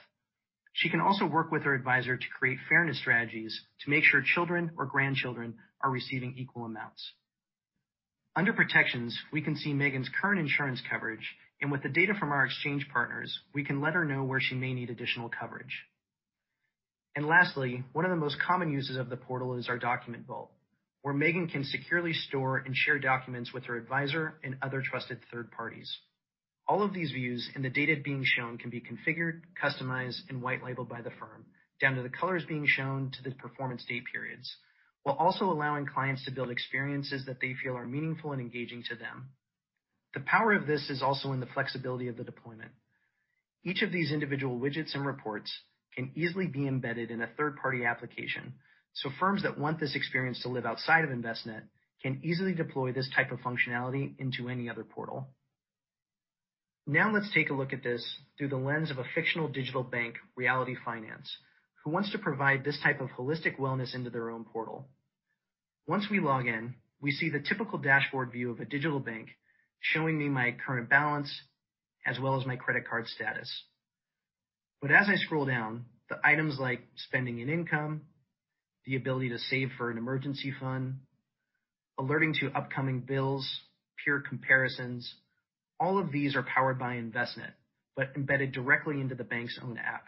Speaker 7: She can also work with her advisor to create fairness strategies to make sure children or grandchildren are receiving equal amounts. Under Protections, we can see Megan's current insurance coverage. With the data from our exchange partners, we can let her know where she may need additional coverage. Lastly, one of the most common uses of the portal is our document vault, where Megan can securely store and share documents with her advisor and other trusted third parties. All of these views and the data being shown can be configured, customized, and white-labeled by the firm, down to the colors being shown to the performance date periods, while also allowing clients to build experiences that they feel are meaningful and engaging to them. The power of this is also in the flexibility of the deployment. Each of these individual widgets and reports can easily be embedded in a third-party application. Firms that want this experience to live outside of Envestnet can easily deploy this type of functionality into any other portal. Now, let's take a look at this through the lens of a fictional digital bank, Reality Finance, who wants to provide this type of holistic wellness into their own portal. Once we log in, we see the typical dashboard view of a digital bank showing me my current balance as well as my credit card status. As I scroll down, the items like spending and income, the ability to save for an emergency fund, alerting to upcoming bills, peer comparisons, all of these are powered by Envestnet, but embedded directly into the bank's own app.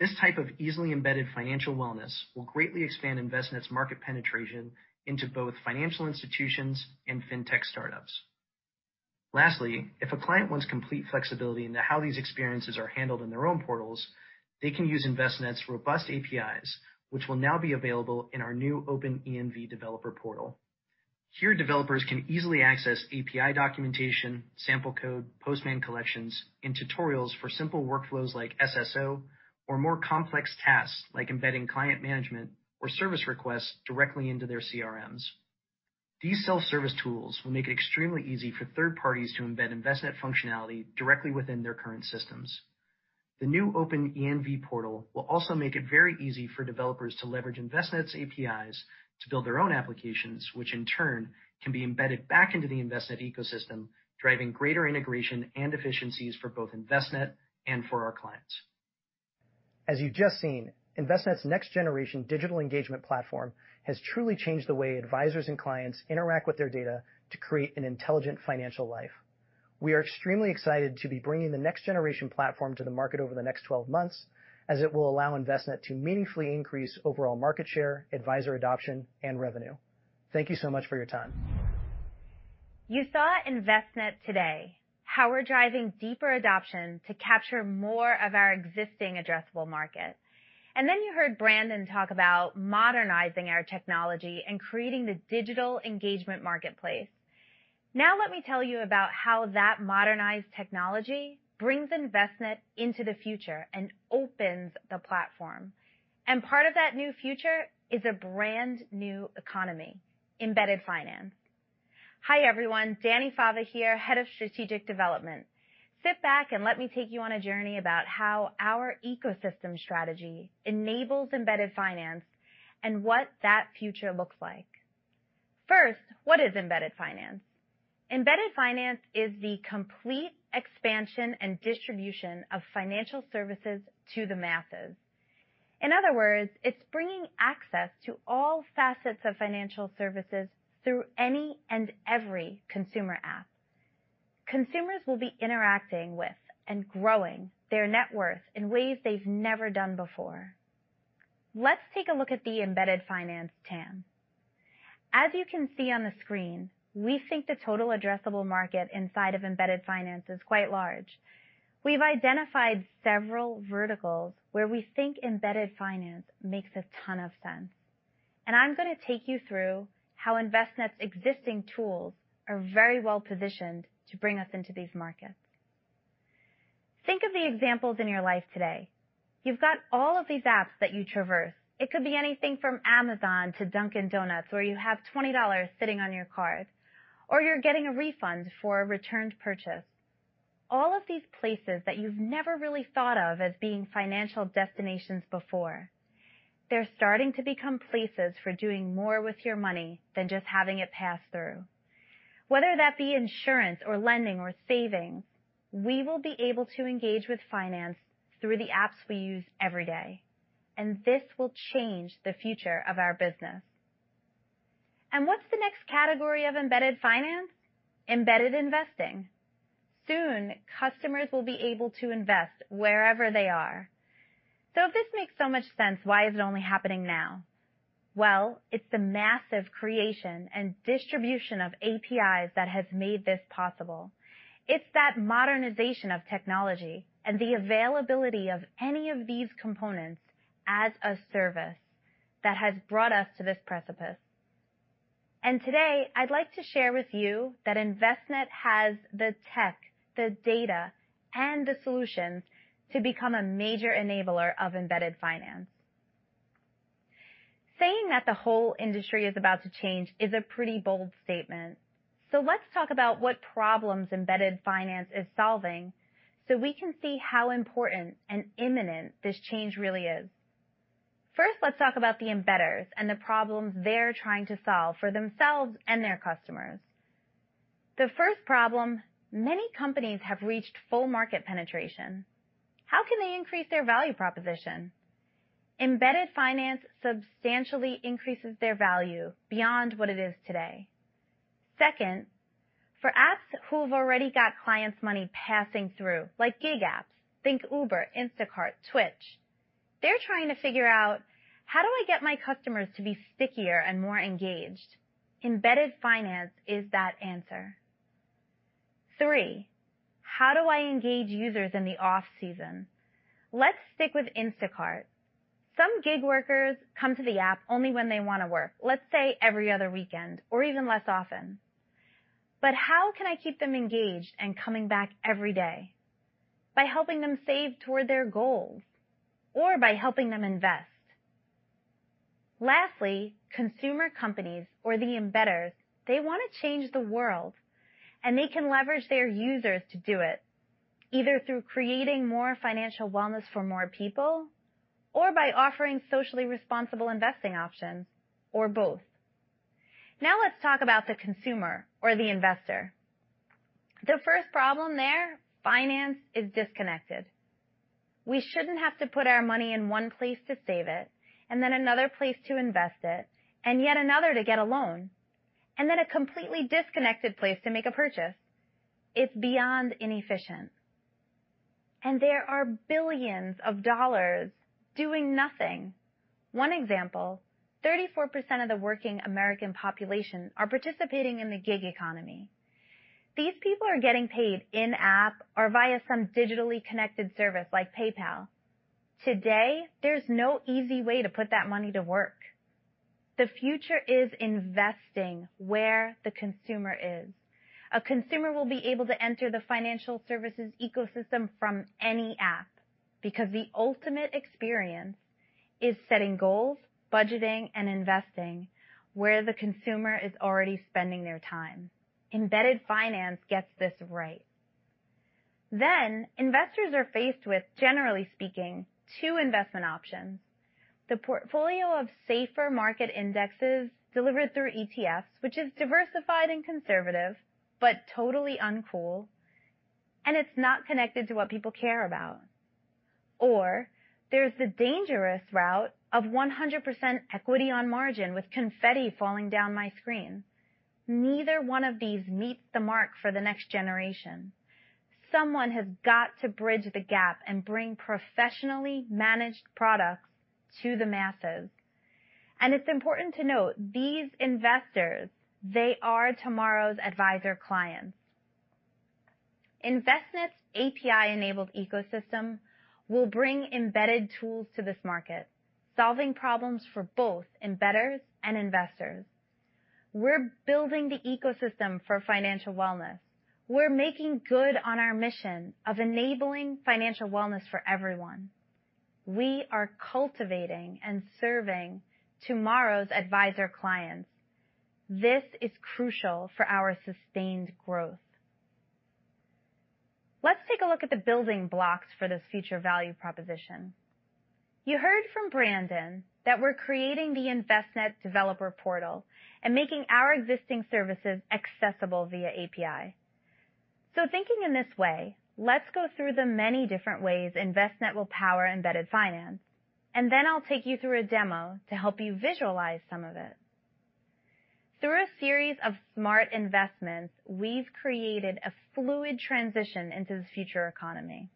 Speaker 7: This type of easily embedded financial wellness will greatly expand Envestnet's market penetration into both financial institutions and fintech startups. Lastly, if a client wants complete flexibility in how these experiences are handled in their own portals, they can use Envestnet's robust APIs, which will now be available in our new Open ENV Developer Portal. Here, developers can easily access API documentation, sample code, Postman collections, and tutorials for simple workflows like SSO or more complex tasks like embedding client management or service requests directly into their CRMs. These self-service tools will make it extremely easy for third parties to embed Envestnet functionality directly within their current systems. The new open ENV developer portal will also make it very easy for developers to leverage Envestnet's APIs to build their own applications, which in turn can be embedded back into the Envestnet ecosystem, driving greater integration and efficiencies for both Envestnet and for our clients. As you've just seen, Envestnet's next-generation digital engagement platform has truly changed the way advisors and clients interact with their data to create an intelligent financial life. We are extremely excited to be bringing the next-generation platform to the market over the next 12 months, as it will allow Envestnet to meaningfully increase overall market share, advisor adoption, and revenue. Thank you so much for your time.
Speaker 8: You saw Envestnet today, how we're driving deeper adoption to capture more of our existing addressable market. You heard Brandon talk about modernizing our technology and creating the digital engagement marketplace. Let me tell you about how that modernized technology brings Envestnet into the future and opens the platform. Part of that new future is a brand new economy, embedded finance. Hi, everyone. Dani Fava here, Head of Strategic Development. Sit back and let me take you on a journey about how our ecosystem strategy enables embedded finance and what that future looks like. What is embedded finance? Embedded finance is the complete expansion and distribution of financial services to the masses. In other words, it's bringing access to all facets of financial services through any and every consumer app. Consumers will be interacting with and growing their net worth in ways they've never done before. Let's take a look at the embedded finance TAM. As you can see on the screen, we think the total addressable market inside of embedded finance is quite large. We've identified several verticals where we think embedded finance makes a ton of sense, and I'm going to take you through how Envestnet's existing tools are very well-positioned to bring us into these markets. Think of the examples in your life today. You've got all of these apps that you traverse. It could be anything from Amazon to Dunkin' Donuts, where you have $20 sitting on your card, or you're getting a refund for a returned purchase. All of these places that you've never really thought of as being financial destinations before, they're starting to become places for doing more with your money than just having it pass through. This will change the future of our business. What's the next category of embedded finance? Embedded investing. Soon, customers will be able to invest wherever they are. If this makes so much sense, why is it only happening now? Well, it's the massive creation and distribution of APIs that has made this possible. It's that modernization of technology and the availability of any of these components as a service that has brought us to this precipice. Today, I'd like to share with you that Envestnet has the tech, the data, and the solutions to become a major enabler of embedded finance. Saying that the whole industry is about to change is a pretty bold statement, so let's talk about what problems embedded finance is solving so we can see how important and imminent this change really is. First, let's talk about the embedders and the problems they're trying to solve for themselves and their customers. The first problem, many companies have reached full market penetration. How can they increase their value proposition? Embedded finance substantially increases their value beyond what it is today. Second, for apps who've already got clients' money passing through, like gig apps, think Uber, Instacart, Twitch, they're trying to figure out, how do I get my customers to be stickier and more engaged? Embedded finance is that answer. Three, how do I engage users in the off-season? Let's stick with Instacart. Some gig workers come to the app only when they want to work, let's say every other weekend, or even less often. How can I keep them engaged and coming back every day? By helping them save toward their goals, or by helping them invest. Lastly, consumer companies, or the embedders, they want to change the world, and they can leverage their users to do it, either through creating more financial wellness for more people, or by offering socially responsible investing options, or both. Let's talk about the consumer or the investor. The first problem there, finance is disconnected. We shouldn't have to put our money in one place to save it, and then another place to invest it, and yet another to get a loan, and then a completely disconnected place to make a purchase. It's beyond inefficient, and there are billions of dollars doing nothing. One example, 34% of the working American population are participating in the gig economy. These people are getting paid in-app or via some digitally connected service like PayPal. Today, there's no easy way to put that money to work. The future is investing where the consumer is. A consumer will be able to enter the financial services ecosystem from any app because the ultimate experience is setting goals, budgeting, and investing where the consumer is already spending their time. Embedded finance gets this right. Investors are faced with, generally speaking, two investment options. The portfolio of safer market indexes delivered through ETFs, which is diversified and conservative, but totally uncool, and it's not connected to what people care about. There's the dangerous route of 100% equity on margin with confetti falling down my screen. Neither one of these meets the mark for the next generation. Someone has got to bridge the gap and bring professionally managed products to the masses. It's important to note these investors, they are tomorrow's advisor clients. Envestnet's API-enabled ecosystem will bring embedded tools to this market, solving problems for both embedders and investors. We're building the ecosystem for financial wellness. We're making good on our mission of enabling financial wellness for everyone. We are cultivating and serving tomorrow's advisor clients. This is crucial for our sustained growth. Let's take a look at the building blocks for this future value proposition. You heard from Brandon that we're creating the Envestnet Developer Portal and making our existing services accessible via API. Thinking in this way, let's go through the many different ways Envestnet will power embedded finance, and then I'll take you through a demo to help you visualize some of it. Through a series of smart investments, we've created a fluid transition into this future economy.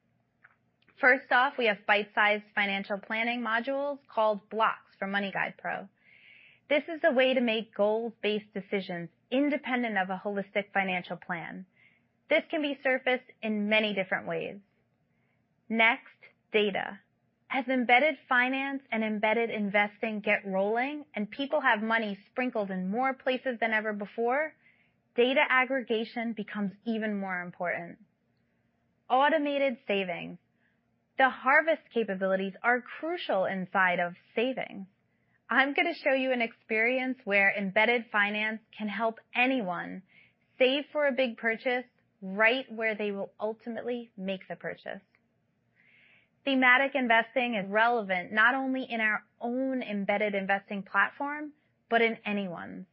Speaker 8: First off, we have bite-sized financial planning modules called Blocks from MoneyGuidePro. This is a way to make goals-based decisions independent of a holistic financial plan. This can be surfaced in many different ways. Next, data. As embedded finance and embedded investing get rolling and people have money sprinkled in more places than ever before, data aggregation becomes even more important. Automated savings. The Harvest capabilities are crucial inside of saving. I'm going to show you an experience where embedded finance can help anyone save for a big purchase, right where they will ultimately make the purchase. Thematic investing is relevant not only in our own embedded investing platform but in anyone's.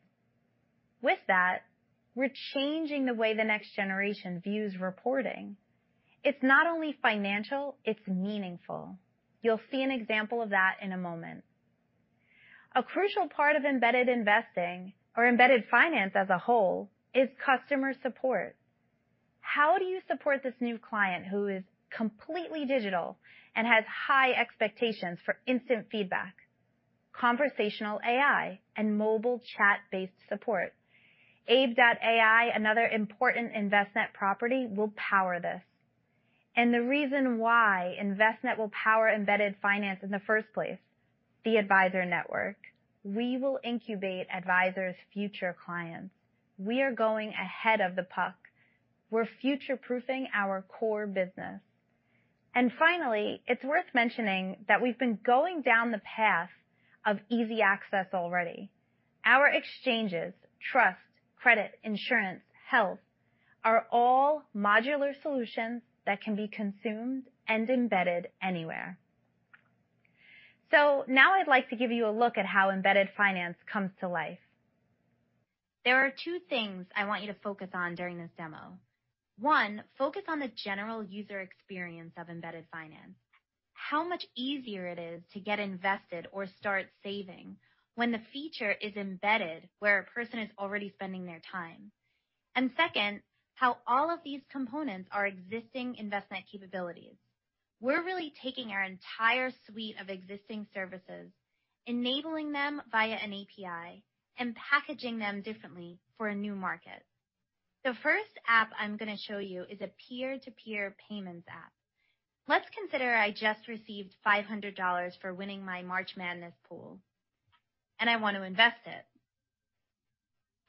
Speaker 8: With that, we're changing the way the next generation views reporting. It's not only financial, it's meaningful. You'll see an example of that in a moment. A crucial part of embedded investing or embedded finance as a whole is customer support. How do you support this new client who is completely digital and has high expectations for instant feedback? Conversational AI and mobile chat-based support. Abe.ai, another important Envestnet property, will power this. The reason why Envestnet will power embedded finance in the first place, the advisor network. We will incubate advisors' future clients. We are going ahead of the puck. We're future-proofing our core business. Finally, it's worth mentioning that we've been going down the path of easy access already. Our exchanges, Trust, Credit, Insurance, Health, are all modular solutions that can be consumed and embedded anywhere. Now I'd like to give you a look at how embedded finance comes to life. There are two things I want you to focus on during this demo. One, focus on the general user experience of embedded finance, how much easier it is to get invested or start saving when the feature is embedded where a person is already spending their time, and second, how all of these components are existing Envestnet capabilities. We're really taking our entire suite of existing services, enabling them via an API, and packaging them differently for a new market. The first app I'm going to show you is a peer-to-peer payments app. Let's consider I just received $500 for winning my March Madness pool, and I want to invest it.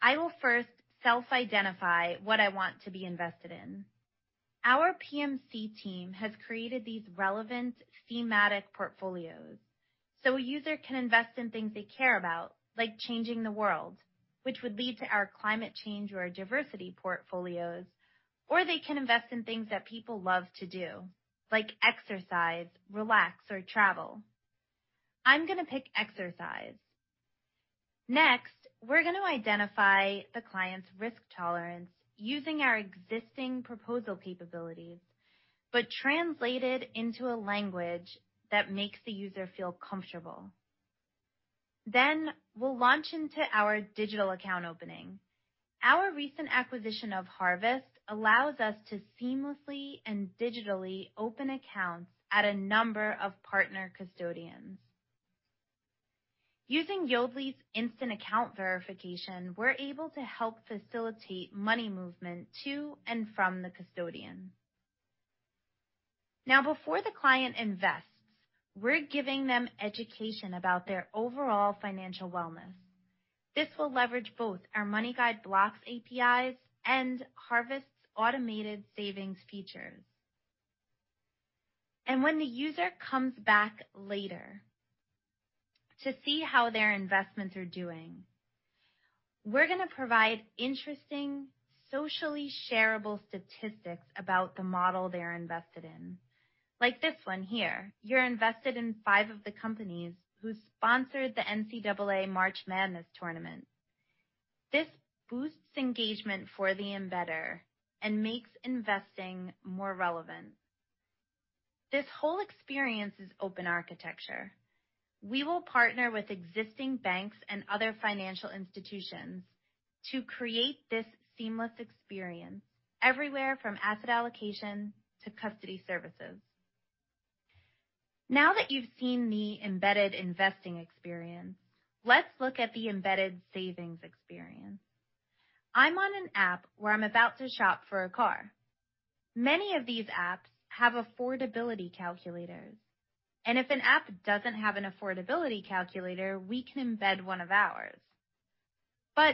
Speaker 8: I will first self-identify what I want to be invested in. Our PMC team has created these relevant thematic portfolios, so a user can invest in things they care about, like changing the world, which would lead to our climate change or diversity portfolios, or they can invest in things that people love to do, like exercise, relax, or travel. I'm going to pick exercise. Next, we're going to identify the client's risk tolerance using our existing proposal capabilities, but translated into a language that makes the user feel comfortable. We'll launch into our digital account opening. Our recent acquisition of Harvest allows us to seamlessly and digitally open accounts at a number of partner custodians. Before the client invests, we're giving them education about their overall financial wellness. This will leverage both our MoneyGuide Blocks APIs and Harvest's automated savings features. When the user comes back later to see how their investments are doing. We're going to provide interesting, socially shareable statistics about the model they're invested in. Like this one here, you're invested in five of the companies who sponsored the NCAA March Madness Tournament. This boosts engagement for the embedder and makes investing more relevant. This whole experience is open architecture. We will partner with existing banks and other financial institutions to create this seamless experience everywhere from asset allocation to custody services. Now that you've seen the embedded investing experience, let's look at the embedded savings experience. I'm on an app where I'm about to shop for a car. Many of these apps have affordability calculators. If an app doesn't have an affordability calculator, we can embed one of ours.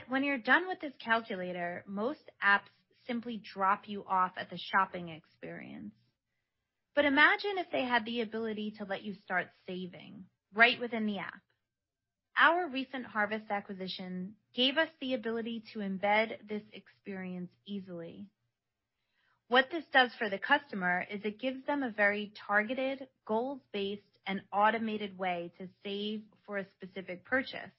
Speaker 8: When you're done with this calculator, most apps simply drop you off at the shopping experience. Imagine if they had the ability to let you start saving right within the app. Our recent Harvest acquisition gave us the ability to embed this experience easily. What this does for the customer is it gives them a very targeted, goals-based, and automated way to save for a specific purchase.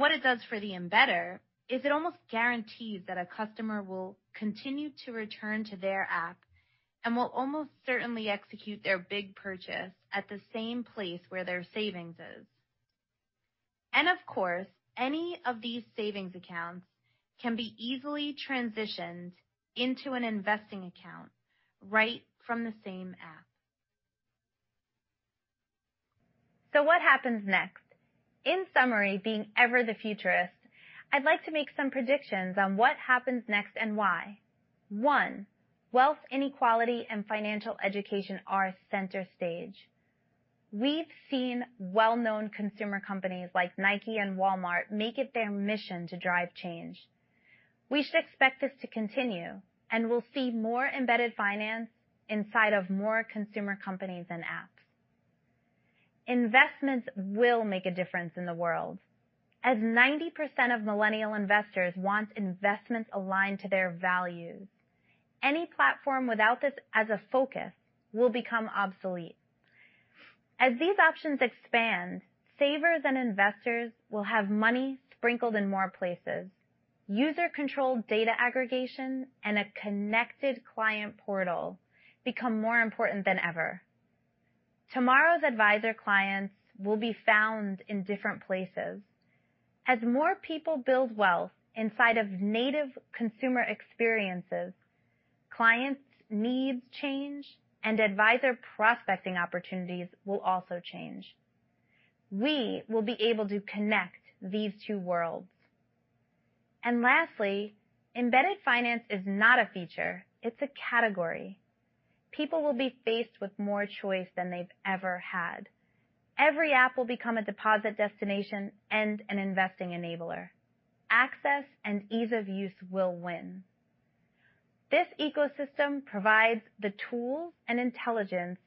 Speaker 8: What it does for the embedder is it almost guarantees that a customer will continue to return to their app and will almost certainly execute their big purchase at the same place where their savings is. Of course, any of these savings accounts can be easily transitioned into an investing account right from the same app. What happens next? In summary, being ever the futurist, I'd like to make some predictions on what happens next and why. One, wealth inequality and financial education are center stage. We've seen well-known consumer companies like Nike and Walmart make it their mission to drive change. We should expect this to continue, and we'll see more embedded finance inside of more consumer companies and apps. Investments will make a difference in the world, as 90% of millennial investors want investments aligned to their values. Any platform without this as a focus will become obsolete. As these options expand, savers and investors will have money sprinkled in more places. User-controlled data aggregation and a connected client portal become more important than ever. Tomorrow's advisor clients will be found in different places. As more people build wealth inside of native consumer experiences, clients' needs change, and advisor prospecting opportunities will also change. We will be able to connect these two worlds. Lastly, embedded finance is not a feature, it's a category. People will be faced with more choice than they've ever had. Every app will become a deposit destination and an investing enabler. Access and ease of use will win. This ecosystem provides the tools and intelligence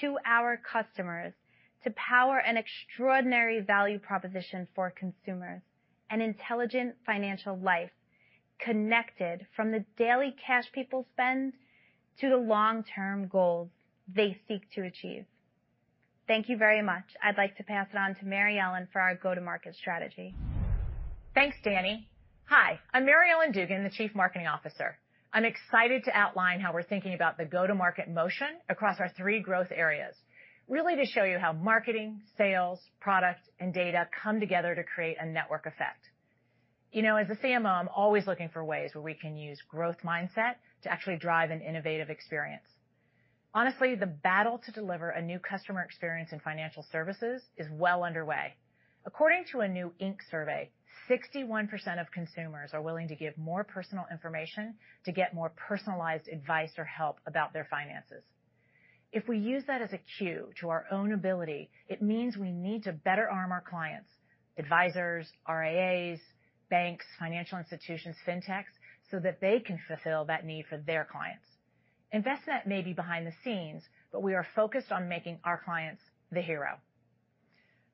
Speaker 8: to our customers to power an extraordinary value proposition for consumers. An intelligent financial life connected from the daily cash people spend to the long-term goals they seek to achieve. Thank you very much. I'd like to pass it on to Mary Ellen for our go-to-market strategy.
Speaker 9: Thanks, Dani. Hi, I'm Mary Ellen Dugan, the Chief Marketing Officer. I'm excited to outline how we're thinking about the go-to-market motion across our three growth areas, really to show you how marketing, sales, product, and data come together to create a network effect. As a CMO, I'm always looking for ways where we can use growth mindset to actually drive an innovative experience. Honestly, the battle to deliver a new customer experience in financial services is well underway. According to a new Inc. survey, 61% of consumers are willing to give more personal information to get more personalized advice or help about their finances. If we use that as a cue to our own ability, it means we need to better arm our clients, advisors, RIAs, banks, financial institutions, fintechs, so that they can fulfill that need for their clients. Envestnet may be behind the scenes, but we are focused on making our clients the hero.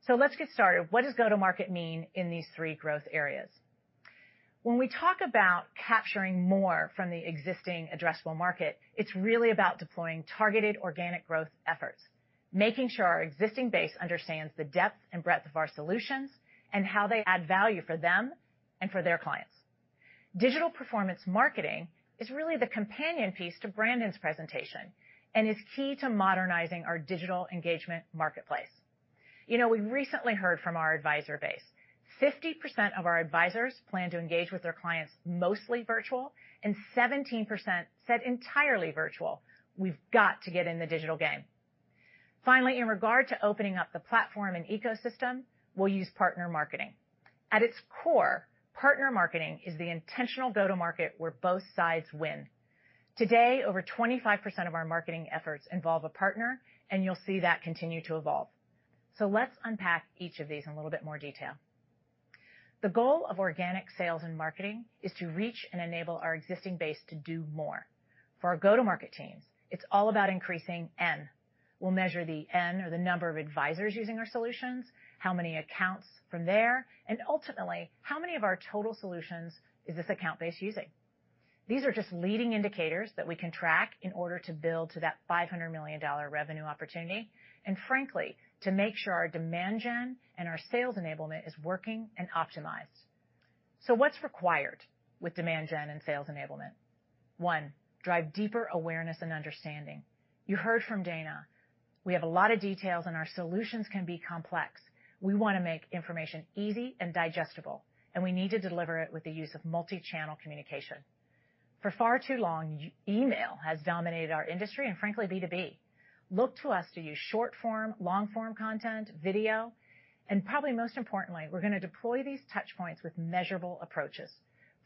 Speaker 9: Let's get started. What does go-to-market mean in these three growth areas. When we talk about capturing more from the existing addressable market, it's really about deploying targeted organic growth efforts, making sure our existing base understands the depth and breadth of our solutions and how they add value for them and for their clients. Digital performance marketing is really the companion piece to Brandon's presentation and is key to modernizing our digital engagement marketplace. We recently heard from our advisor base. 50% of our advisors plan to engage with their clients mostly virtual, and 17% said entirely virtual. We've got to get in the digital game. In regard to opening up the platform and ecosystem, we'll use partner marketing. At its core, partner marketing is the intentional go-to-market where both sides win. Today, over 25% of our marketing efforts involve a partner, and you'll see that continue to evolve. Let's unpack each of these in a little bit more detail. The goal of organic sales and marketing is to reach and enable our existing base to do more. For our go-to-market teams, it's all about increasing N. We'll measure the N, or the number of advisors using our solutions, how many accounts from there, and ultimately, how many of our total solutions is this account-based using. These are just leading indicators that we can track in order to build to that $500 million revenue opportunity, and frankly, to make sure our demand gen and our sales enablement is working and optimized. What's required with demand gen and sales enablement? One, drive deeper awareness and understanding. You heard from Dana. We have a lot of details, and our solutions can be complex. We want to make information easy and digestible, and we need to deliver it with the use of multi-channel communication. Far too long, email has dominated our industry and frankly, B2B. Look to us to use short-form, long-form content, video, and probably most importantly, we're going to deploy these touchpoints with measurable approaches.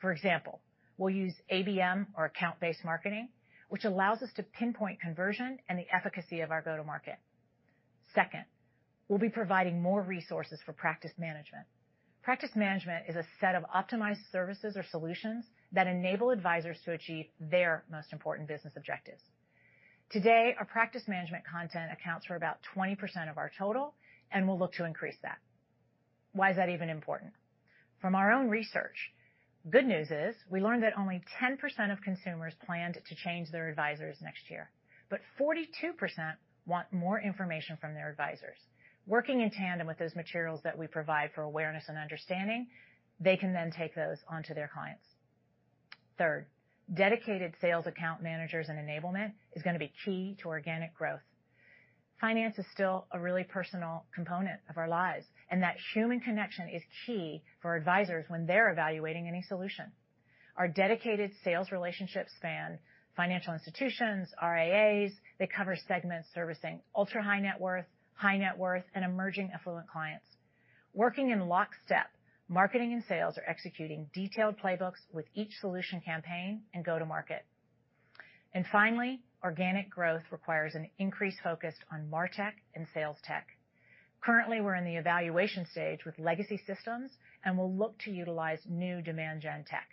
Speaker 9: For example, we'll use ABM or account-based marketing, which allows us to pinpoint conversion and the efficacy of our go-to-market. Second, we'll be providing more resources for practice management. Practice management is a set of optimized services or solutions that enable advisors to achieve their most important business objectives. Today, our practice management content accounts for about 20% of our total, and we'll look to increase that. Why is that even important? From our own research, good news is we learned that only 10% of consumers planned to change their advisors next year, but 42% want more information from their advisors. Working in tandem with those materials that we provide for awareness and understanding, they can then take those onto their clients. Third, dedicated sales account managers and enablement is going to be key to organic growth. Finance is still a really personal component of our lives, and that human connection is key for advisors when they're evaluating any solution. Our dedicated sales relationships span financial institutions, RIAs. They cover segments servicing ultra high net worth, high net worth, and emerging affluent clients. Working in lockstep, marketing and sales are executing detailed playbooks with each solution campaign and go-to-market. Finally, organic growth requires an increased focus on martech and sales tech. Currently, we're in the evaluation stage with legacy systems and will look to utilize new demand gen tech.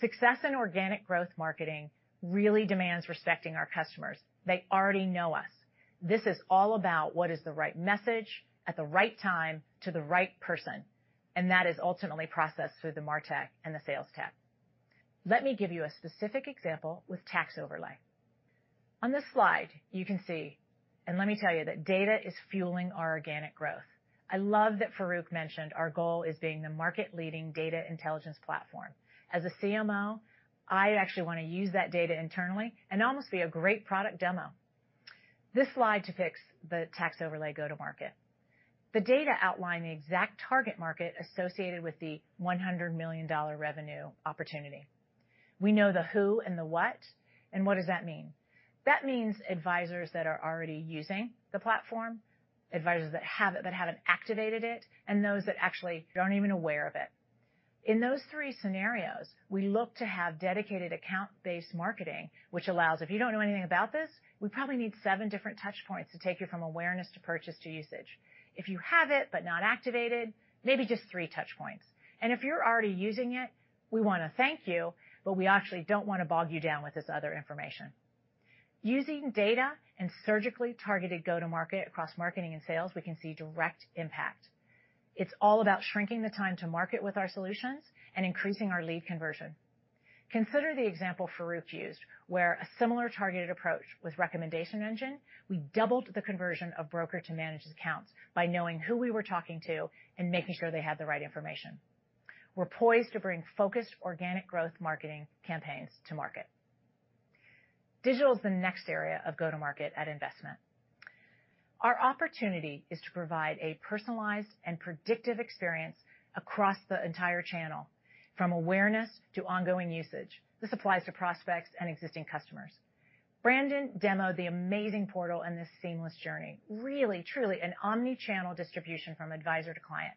Speaker 9: Success in organic growth marketing really demands respecting our customers. They already know us. This is all about what is the right message at the right time to the right person, and that is ultimately processed through the martech and the sales tech. Let me give you a specific example with Tax Overlay. On this slide, you can see, and let me tell you that data is fueling our organic growth. I love that Farouk mentioned our goal is being the market leading Data Intelligence platform. As a CMO, I actually want to use that data internally and almost be a great product demo. This slide depicts the Tax Overlay go-to-market. The data outline the exact target market associated with the $100 million revenue opportunity. We know the who and the what, and what does that mean? That means advisors that are already using the platform, advisors that haven't but have activated it, and those that actually aren't even aware of it. In those three scenarios, we look to have dedicated account-based marketing, which allows if you don't know anything about this, we probably need seven different touch points to take you from awareness to purchase to usage. If you have it, but not activated, maybe just three touch points. If you're already using it, we want to thank you, but we actually don't want to bog you down with this other information. Using data and surgically targeted go-to-market across marketing and sales, we can see direct impact. It's all about shrinking the time to market with our solutions and increasing our lead conversion. Consider the example Farouk used, where a similar targeted approach with Recommendations Engine, we doubled the conversion of broker to managed accounts by knowing who we were talking to and making sure they had the right information. We're poised to bring focused organic growth marketing campaigns to market. Digital is the next area of go-to-market at Envestnet. Our opportunity is to provide a personalized and predictive experience across the entire channel, from awareness to ongoing usage. This applies to prospects and existing customers. Brandon demoed the amazing portal and the seamless journey. Really, truly an omni-channel distribution from advisor to client.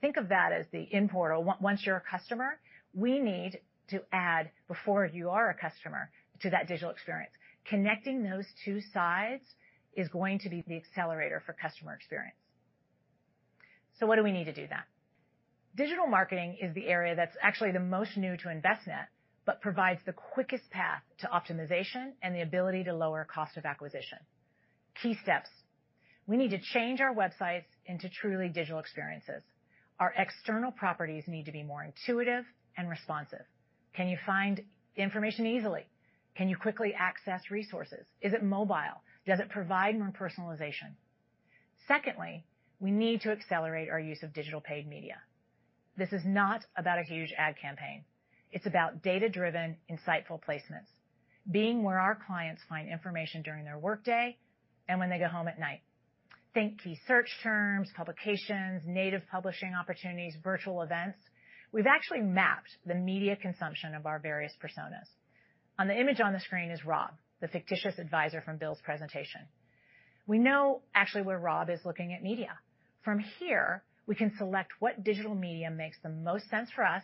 Speaker 9: Think of that as the in-portal. Once you're a customer, we need to add before you are a customer to that digital experience. Connecting those two sides is going to be the accelerator for customer experience. What do we need to do then? Digital marketing is the area that's actually the most new to Envestnet but provides the quickest path to optimization and the ability to lower cost of acquisition. Key steps. We need to change our websites into truly digital experiences. Our external properties need to be more intuitive and responsive. Can you find information easily? Can you quickly access resources? Is it mobile? Does it provide more personalization? Secondly, we need to accelerate our use of digital paid media. This is not about a huge ad campaign. It's about data-driven, insightful placements. Being where our clients find information during their workday and when they go home at night. Think key search terms, publications, native publishing opportunities, virtual events. We've actually mapped the media consumption of our various personas. On the image on the screen is Rob, the fictitious advisor from Bill's presentation. We know actually where Rob is looking at media. From here, we can select what digital media makes the most sense for us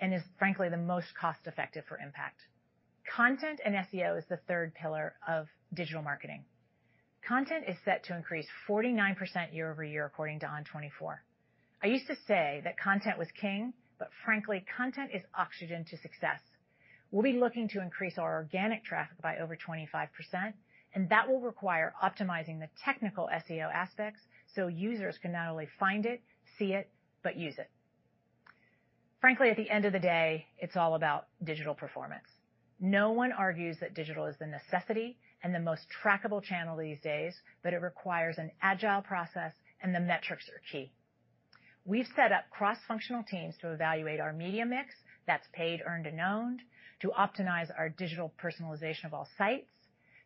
Speaker 9: and is frankly the most cost-effective for impact. Content and SEO is the third pillar of digital marketing. Content is set to increase 49% year over year according to ON24. I used to say that content was king, but frankly, content is oxygen to success. We'll be looking to increase our organic traffic by over 25%, and that will require optimizing the technical SEO aspects so users can not only find it, see it, but use it. Frankly, at the end of the day, it's all about digital performance. No one argues that digital is a necessity and the most trackable channel these days, but it requires an agile process, and the metrics are key. We've set up cross-functional teams to evaluate our media mix that's paid, earned, and owned to optimize our digital personalization of all sites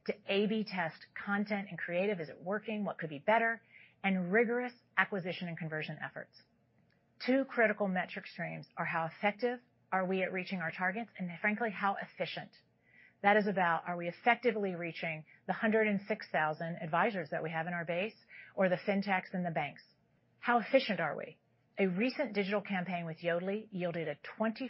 Speaker 9: to A/B test content and creative. Is it working? What could be better? Rigorous acquisition and conversion efforts. Two critical metric streams are how effective are we at reaching our targets, and frankly, how efficient. That is about are we effectively reaching the 106,000 advisors that we have in our base or the FinTechs and the banks? How efficient are we? A recent digital campaign with Yodlee yielded a 25%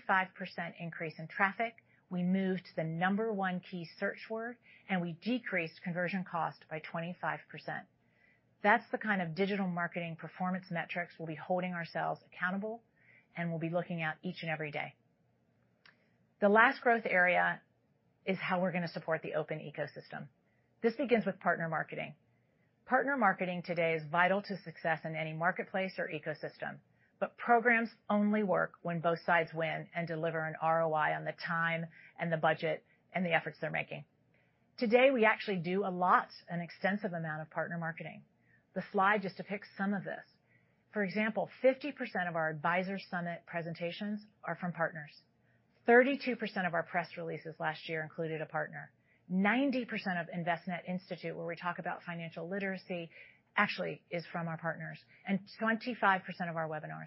Speaker 9: increase in traffic. We moved to the number one key search word, and we decreased conversion cost by 25%. That's the kind of digital marketing performance metrics we'll be holding ourselves accountable and we'll be looking at each and every day. The last growth area is how we're going to support the open ecosystem. This begins with partner marketing. Partner marketing today is vital to success in any marketplace or ecosystem, but programs only work when both sides win and deliver an ROI on the time and the budget and the efforts they're making. Today, we actually do a lot, an extensive amount of partner marketing. The slide just depicts some of this. For example, 50% of our advisor summit presentations are from partners. 32% of our press releases last year included a partner. 90% of Envestnet Institute, where we talk about financial literacy, actually is from our partners, and 25% of our webinars.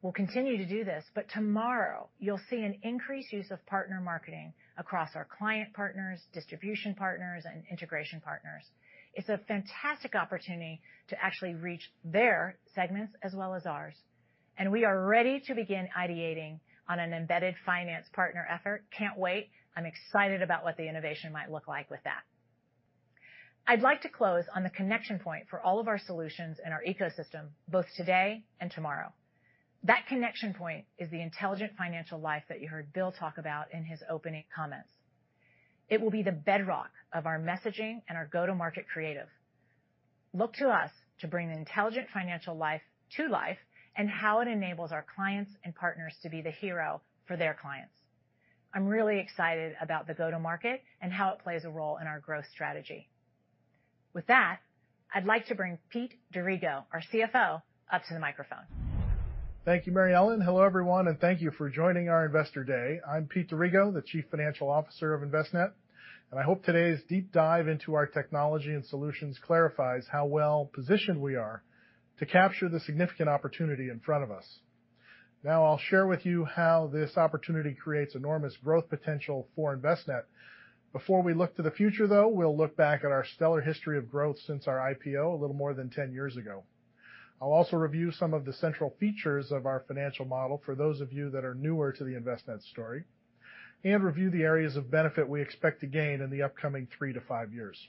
Speaker 9: We'll continue to do this, but tomorrow you'll see an increased use of partner marketing across our client partners, distribution partners, and integration partners. It's a fantastic opportunity to actually reach their segments as well as ours, and we are ready to begin ideating on an embedded finance partner effort. Can't wait. I'm excited about what the innovation might look like with that. I'd like to close on a connection point for all of our solutions in our ecosystem, both today and tomorrow. That connection point is the intelligent financial life that you heard Bill talk about in his opening comments. It will be the bedrock of our messaging and our go-to-market creative. Look to us to bring intelligent financial life to life and how it enables our clients and partners to be the hero for their clients. I'm really excited about the go-to-market and how it plays a role in our growth strategy. With that, I'd like to bring Pete D'Arrigo, our CFO, up to the microphone.
Speaker 10: Thank you, Mary Ellen. Hello, everyone, and thank you for joining our Investor Day. I'm Pete D'Arrigo, the Chief Financial Officer of Envestnet, and I hope today's deep dive into our technology and solutions clarifies how well-positioned we are to capture the significant opportunity in front of us. Now I'll share with you how this opportunity creates enormous growth potential for Envestnet. Before we look to the future, though, we'll look back at our stellar history of growth since our IPO a little more than 10 years ago. I'll also review some of the central features of our financial model for those of you that are newer to the Envestnet story and review the areas of benefit we expect to gain in the upcoming 3-5 years.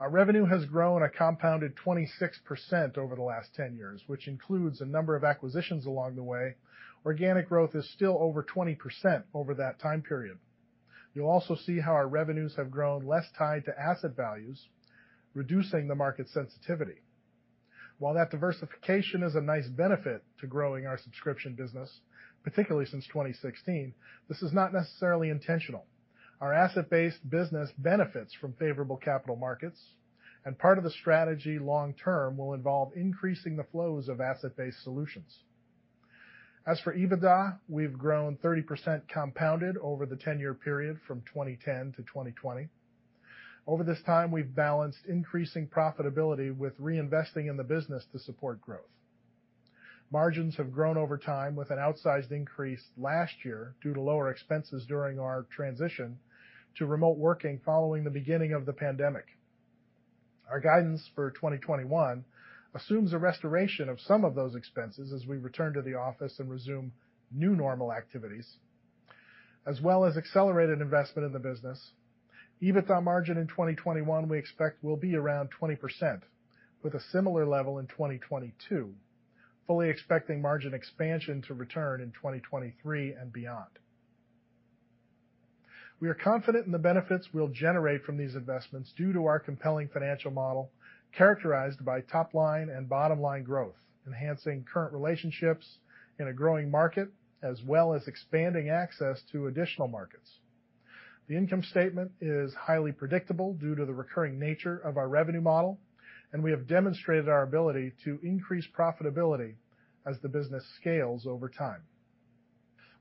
Speaker 10: Our revenue has grown a compounded 26% over the last 10 years, which includes a number of acquisitions along the way. Organic growth is still over 20% over that time period. You'll also see how our revenues have grown less tied to asset values, reducing the market sensitivity. While that diversification is a nice benefit to growing our subscription business, particularly since 2016, this is not necessarily intentional. Our asset-based business benefits from favorable capital markets, and part of the strategy long term will involve increasing the flows of asset-based solutions. As for EBITDA, we've grown 30% compounded over the 10-year period from 2010 to 2020. Over this time, we've balanced increasing profitability with reinvesting in the business to support growth. Margins have grown over time with an outsized increase last year due to lower expenses during our transition to remote working following the beginning of the pandemic. Our guidance for 2021 assumes a restoration of some of those expenses as we return to the office and resume new normal activities, as well as accelerated investment in the business. EBITDA margin in 2021, we expect will be around 20%, with a similar level in 2022, fully expecting margin expansion to return in 2023 and beyond. We are confident in the benefits we'll generate from these investments due to our compelling financial model characterized by top-line and bottom-line growth, enhancing current relationships in a growing market, as well as expanding access to additional markets. The income statement is highly predictable due to the recurring nature of our revenue model, we have demonstrated our ability to increase profitability as the business scales over time.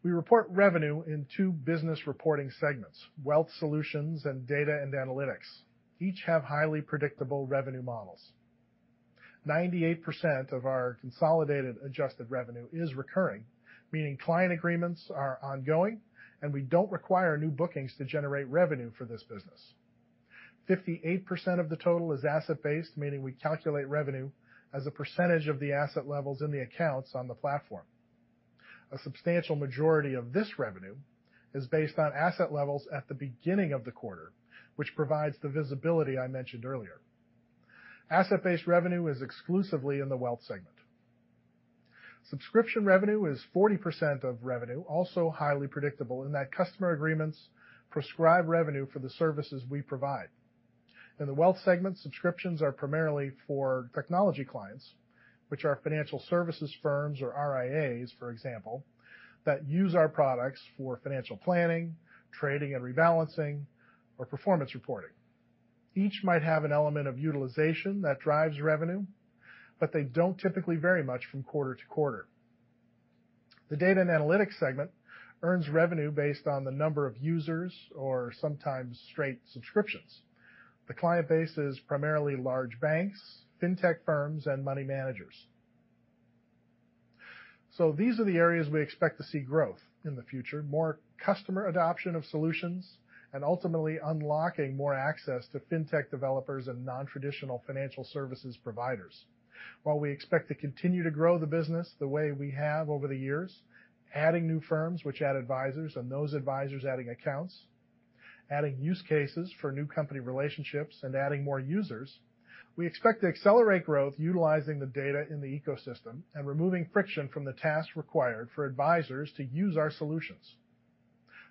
Speaker 10: We report revenue in two business reporting segments, Wealth Solutions and Data and Analytics. Each have highly predictable revenue models. 98% of our consolidated adjusted revenue is recurring, meaning client agreements are ongoing, and we don't require new bookings to generate revenue for this business. 58% of the total is asset-based, meaning we calculate revenue as a percentage of the asset levels in the accounts on the platform. A substantial majority of this revenue is based on asset levels at the beginning of the quarter, which provides the visibility I mentioned earlier. Asset-based revenue is exclusively in the wealth segment. Subscription revenue is 40% of revenue, also highly predictable in that customer agreements prescribe revenue for the services we provide. In the wealth segment, subscriptions are primarily for technology clients, which are financial services firms or RIAs, for example, that use our products for financial planning, trading, and rebalancing, or performance reporting. Each might have an element of utilization that drives revenue, but they don't typically vary much from quarter to quarter. The Data and Analytics segment earns revenue based on the number of users or sometimes straight subscriptions. The client base is primarily large banks, fintech firms, and money managers. These are the areas we expect to see growth in the future, more customer adoption of solutions, and ultimately unlocking more access to fintech developers and non-traditional financial services providers. While we expect to continue to grow the business the way we have over the years, adding new firms which add advisors and those advisors adding accounts, adding use cases for new company relationships, and adding more users, we expect to accelerate growth utilizing the data in the ecosystem and removing friction from the tasks required for advisors to use our solutions.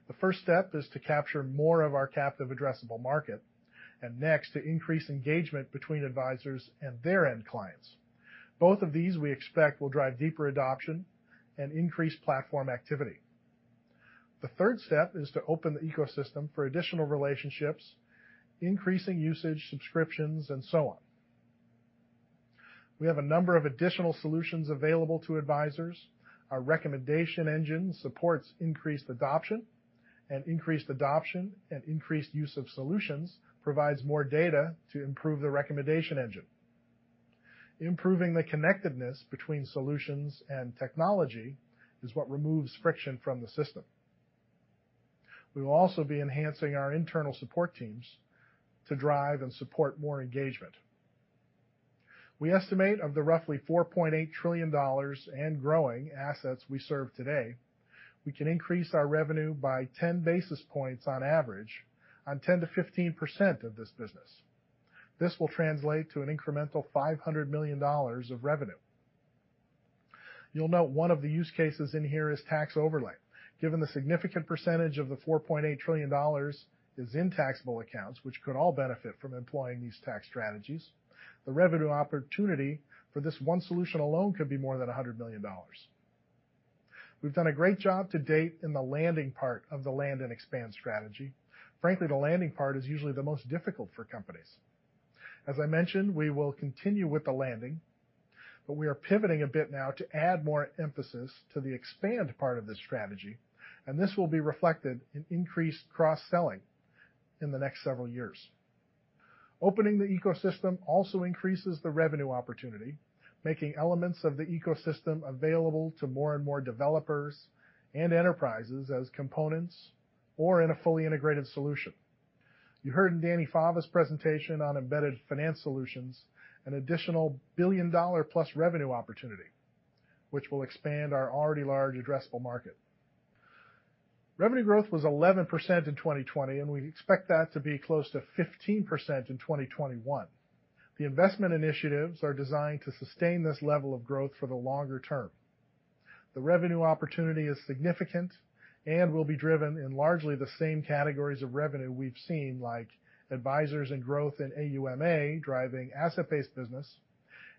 Speaker 10: The first step is to capture more of our captive addressable market, and next, to increase engagement between advisors and their end clients. Both of these, we expect, will drive deeper adoption and increase platform activity. The third step is to open the ecosystem for additional relationships, increasing usage, subscriptions, and so on. We have a number of additional solutions available to advisors. Our Recommendations Engine supports increased adoption, and increased adoption and increased use of solutions provides more data to improve the Recommendations Engine. Improving the connectedness between solutions and technology is what removes friction from the system. We will also be enhancing our internal support teams to drive and support more engagement. We estimate of the roughly $4.8 trillion and growing assets we serve today, we can increase our revenue by 10 basis points on average on 10%-15% of this business. This will translate to an incremental $500 million of revenue. You'll note one of the use cases in here is Tax Overlay. Given the significant percentage of the $4.8 trillion is in taxable accounts, which could all benefit from employing these tax strategies, the revenue opportunity for this one solution alone could be more than $100 million. We've done a great job to date in the landing part of the land and expand strategy. Frankly, the landing part is usually the most difficult for companies. As I mentioned, we will continue with the landing, but we are pivoting a bit now to add more emphasis to the expand part of the strategy, and this will be reflected in increased cross-selling in the next several years. Opening the ecosystem also increases the revenue opportunity, making elements of the ecosystem available to more and more developers and enterprises as components or in a fully integrated solution. You heard in Dani Fava's presentation on embedded finance solutions, an additional $1 billion-plus revenue opportunity, which will expand our already large addressable market. Revenue growth was 11% in 2020, and we expect that to be close to 15% in 2021. The investment initiatives are designed to sustain this level of growth for the longer term. The revenue opportunity is significant and will be driven in largely the same categories of revenue we've seen, like advisors and growth in AUMA, driving asset-based business.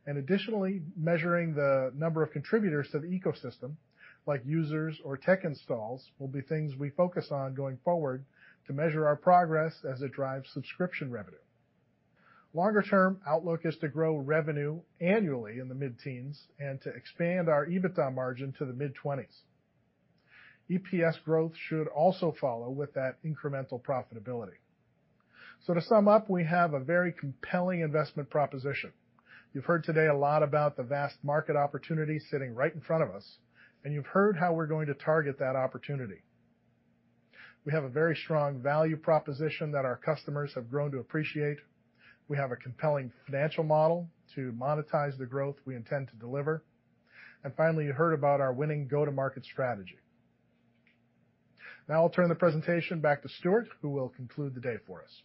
Speaker 10: Additionally, measuring the number of contributors to the ecosystem, like users or tech installs, will be things we focus on going forward to measure our progress as it drives subscription revenue. Longer-term outlook is to grow revenue annually in the mid-teens and to expand our EBITDA margin to the mid-20s. EPS growth should also follow with that incremental profitability. To sum up, we have a very compelling investment proposition. You've heard today a lot about the vast market opportunity sitting right in front of us, and you've heard how we're going to target that opportunity. We have a very strong value proposition that our customers have grown to appreciate. We have a compelling financial model to monetize the growth we intend to deliver. Finally, you heard about our winning go-to-market strategy. I'll turn the presentation back to Stuart, who will conclude the day for us.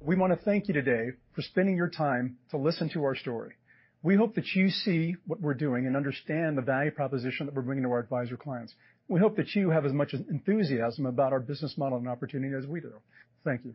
Speaker 3: We want to thank you today for spending your time to listen to our story. We hope that you see what we're doing and understand the value proposition that we're bringing to our advisor clients. We hope that you have as much enthusiasm about our business model and opportunity as we do. Thank you.